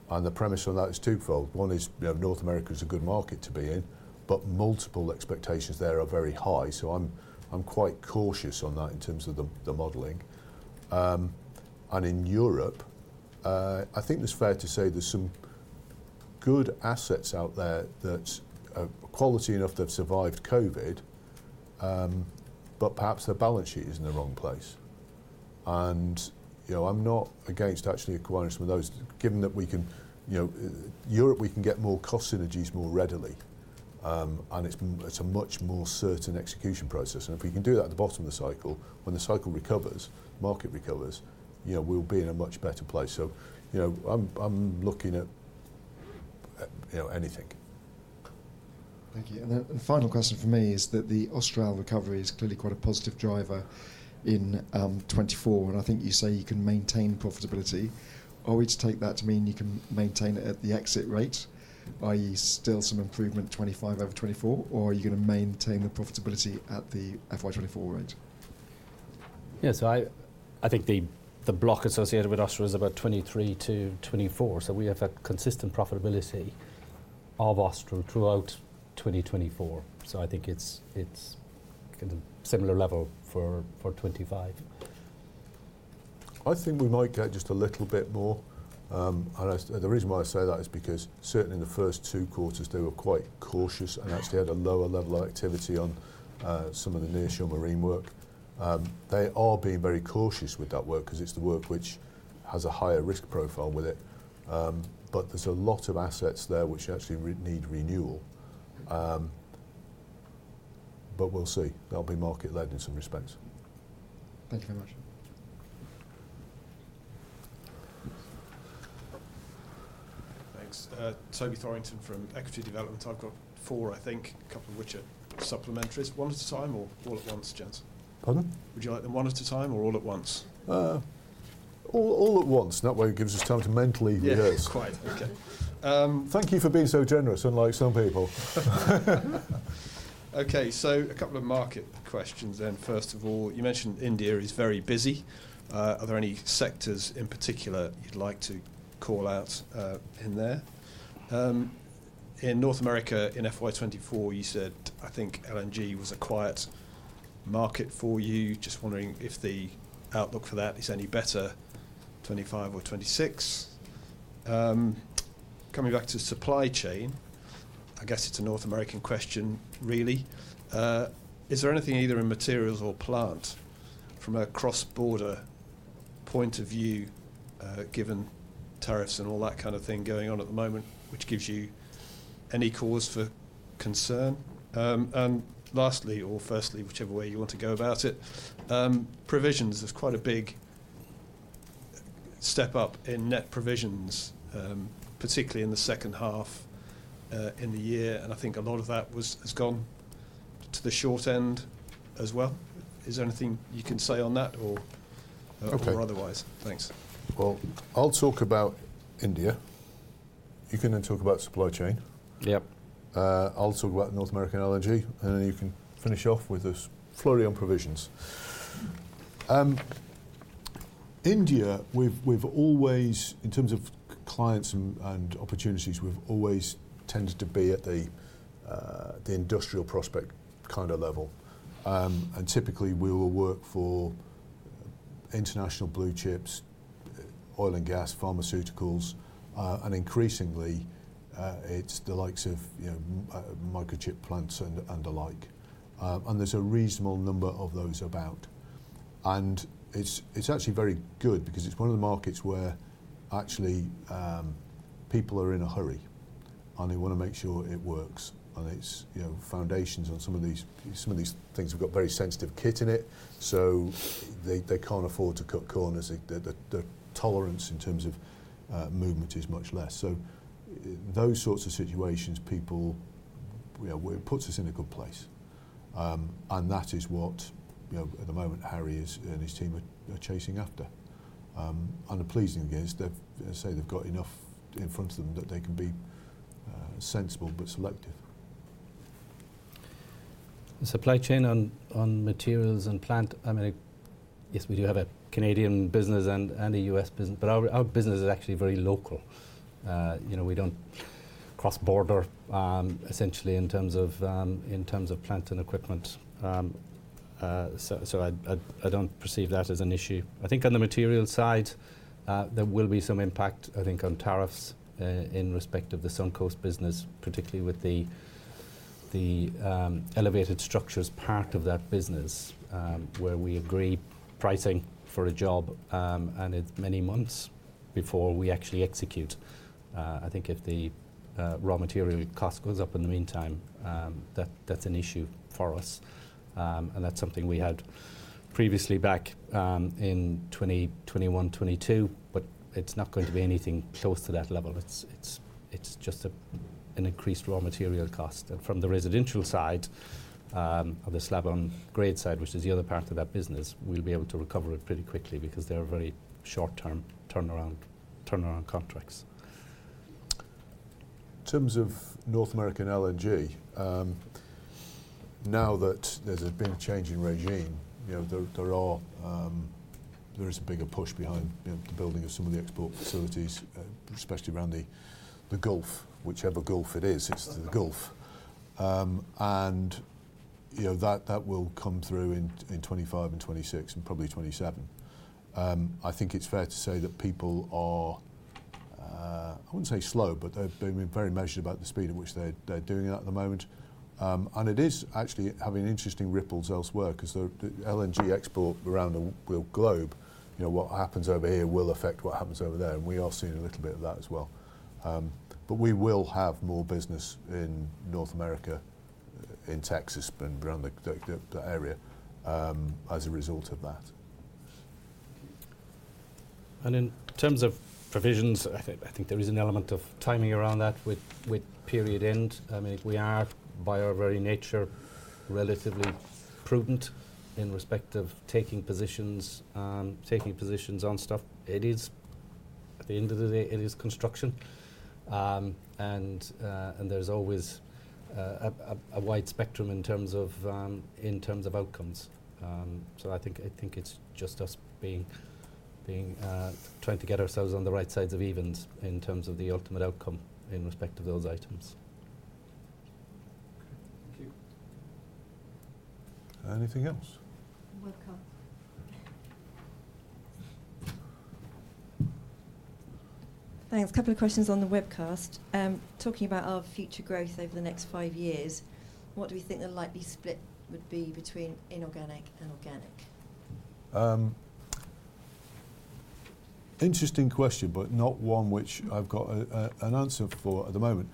A: The premise on that is twofold. One is North America is a good market to be in, but multiple expectations there are very high. I am quite cautious on that in terms of the modeling. In Europe, I think it's fair to say there's some good assets out there that are quality enough to have survived COVID, but perhaps their balance sheet is in the wrong place. I'm not against actually acquiring some of those, given that we can in Europe, we can get more cost synergies more readily. It's a much more certain execution process. If we can do that at the bottom of the cycle, when the cycle recovers, market recovers, we'll be in a much better place. I'm looking at anything. Thank you. The final question for me is that the Austrian recovery is clearly quite a positive driver in 2024. I think you say you can maintain profitability. Are we to take that to mean you can maintain it at the exit rate, i.e., still some improvement 2025 over 2024, or are you going to maintain the profitability at the FY 2024 rate?
B: Yeah. I think the block associated with Austral is about 2023-2024. We have had consistent profitability of Austral throughout 2024. I think it is kind of similar level for 2025.
A: I think we might get just a little bit more. The reason why I say that is because certainly in the first two quarters, they were quite cautious and actually had a lower level of activity on some of the nearshore marine work. They are being very cautious with that work because it is the work which has a higher risk profile with it. There is a lot of assets there which actually need renewal. We will see. That'll be market-led in some respects. Thank you very much.
G: Thanks. Toby Thorrington from Equity Development. I've got four, I think, a couple of which are supplementary. One at a time or all at once, gents?
A: Pardon?
G: Would you like them one at a time or all at once?
A: All at once, not where it gives us time to mentally rehearse.
G: Yes, quite. Okay.
A: Thank you for being so generous unlike some people.
G: Okay. So a couple of market questions then. First of all, you mentioned India is very busy. Are there any sectors in particular you'd like to call out in there? In North America, in FY 2024, you said, I think LNG was a quiet market for you. Just wondering if the outlook for that is any better, 2025 or 2026. Coming back to supply chain, I guess it's a North American question, really. Is there anything either in materials or plant from a cross-border point of view, given tariffs and all that kind of thing going on at the moment, which gives you any cause for concern? Lastly, or firstly, whichever way you want to go about it, provisions is quite a big step up in net provisions, particularly in the second half in the year. I think a lot of that has gone to the short end as well. Is there anything you can say on that or otherwise?
A: Thanks. I will talk about India. You can then talk about supply chain.
B: Yeah.
A: I will talk about North American LNG, and you can finish off with this flurry on provisions. India, in terms of clients and opportunities, we have always tended to be at the industrial prospect kind of level. Typically, we will work for international blue chips, oil and gas, pharmaceuticals, and increasingly, it's the likes of microchip plants and the like. There's a reasonable number of those about. It's actually very good because it's one of the markets where actually people are in a hurry, and they want to make sure it works. Its foundations on some of these things have got very sensitive kit in it, so they can't afford to cut corners. The tolerance in terms of movement is much less. Those sorts of situations, people, it puts us in a good place. That is what at the moment, Harry and his team are chasing after. The pleasing thing is they say they've got enough in front of them that they can be sensible but selective.
B: Supply chain on materials and plant, I mean, yes, we do have a Canadian business and a US business, but our business is actually very local. We do not cross border essentially in terms of plant and equipment. I do not perceive that as an issue. I think on the material side, there will be some impact, I think, on tariffs in respect of the Suncoast business, particularly with the elevated structures part of that business where we agree pricing for a job, and it is many months before we actually execute. I think if the raw material cost goes up in the meantime, that is an issue for us. That is something we had previously back in 2021, 2022, but it is not going to be anything close to that level. It is just an increased raw material cost. From the residential side of this slab on grade side, which is the other part of that business, we will be able to recover it pretty quickly because they are very short-term turnaround contracts.
A: In terms of North American LNG, now that there has been a change in regime, there is a bigger push behind the building of some of the export facilities, especially around the Gulf, whichever Gulf it is, it is the Gulf. That will come through in 2025 and 2026 and probably 2027. I think it is fair to say that people are, I would not say slow, but they have been very measured about the speed at which they are doing that at the moment. It is actually having interesting ripples elsewhere because the LNG export around the globe, what happens over here will affect what happens over there. We are seeing a little bit of that as well. We will have more business in North America, in Texas and around the area as a result of that.
B: In terms of provisions, I think there is an element of timing around that with period end. I mean, we are, by our very nature, relatively prudent in respect of taking positions on stuff. At the end of the day, it is construction. There is always a wide spectrum in terms of outcomes. I think it is just us trying to get ourselves on the right sides of evens in terms of the ultimate outcome in respect of those items.
G: Okay. Thank you.
A: Anything else?
H: Webcast. Thanks. A couple of questions on the webcast. Talking about our future growth over the next five years, what do we think the likely split would be between inorganic and organic?
A: Interesting question, but not one which I've got an answer for at the moment.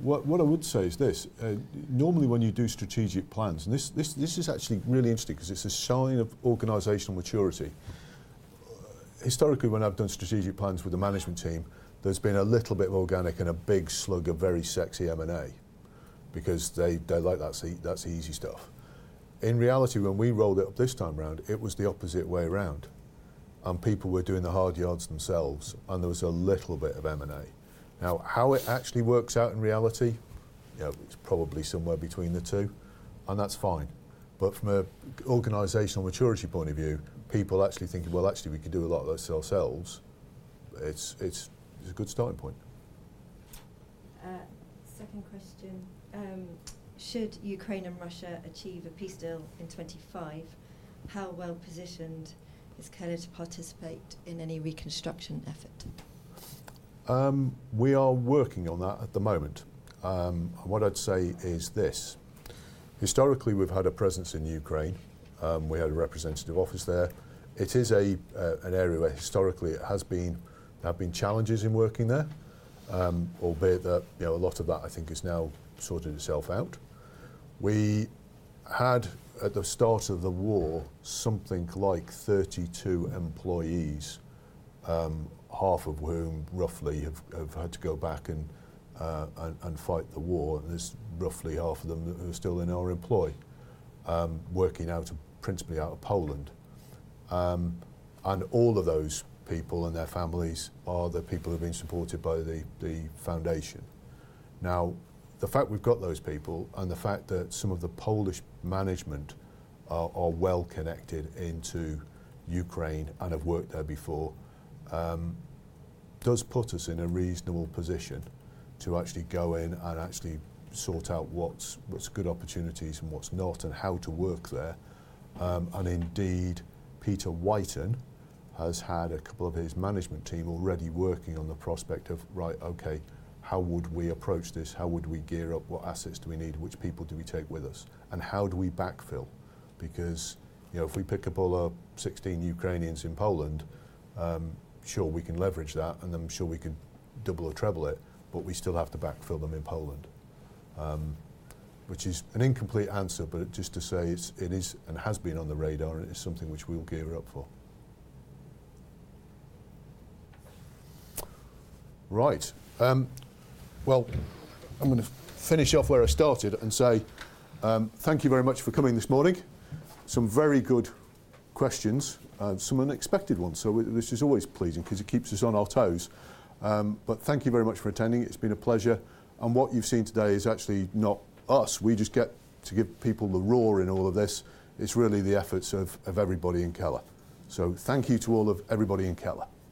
A: What I would say is this. Normally, when you do strategic plans, and this is actually really interesting because it's a sign of organizational maturity. Historically, when I've done strategic plans with the management team, there's been a little bit of organic and a big slug of very sexy M&A because they like that. That's the easy stuff. In reality, when we rolled it up this time around, it was the opposite way around. People were doing the hard yards themselves, and there was a little bit of M&A. Now, how it actually works out in reality, it's probably somewhere between the two, and that's fine. From an organizational maturity point of view, people actually thinking, "Well, actually, we could do a lot of this ourselves," it's a good starting point.
H: Second question. Should Ukraine and Russia achieve a peace deal in 2025, how well positioned is Keller to participate in any reconstruction effort?
A: We are working on that at the moment. What I'd say is this. Historically, we've had a presence in Ukraine. We had a representative office there. It is an area where historically there have been challenges in working there, albeit that a lot of that, I think, has now sorted itself out. We had, at the start of the war, something like 32 employees, half of whom roughly have had to go back and fight the war. There's roughly half of them who are still in our employ, working principally out of Poland. All of those people and their families are the people who have been supported by the foundation. Now, the fact we've got those people and the fact that some of the Polish management are well connected into Ukraine and have worked there before does put us in a reasonable position to actually go in and actually sort out what's good opportunities and what's not and how to work there. Indeed, Peter Whitten has had a couple of his management team already working on the prospect of, "Right, okay, how would we approach this? How would we gear up? What assets do we need? Which people do we take with us? How do we backfill? Because if we pick up all our 16 Ukrainians in Poland, sure, we can leverage that, and I'm sure we could double or treble it, but we still have to backfill them in Poland, which is an incomplete answer, just to say it is and has been on the radar, and it is something which we will gear up for. Right. I am going to finish off where I started and say thank you very much for coming this morning. Some very good questions, some unexpected ones. This is always pleasing because it keeps us on our toes. Thank you very much for attending. It's been a pleasure. What you've seen today is actually not us. We just get to give people the roar in all of this. It's really the efforts of everybody in Keller. Thank you to everybody in Keller.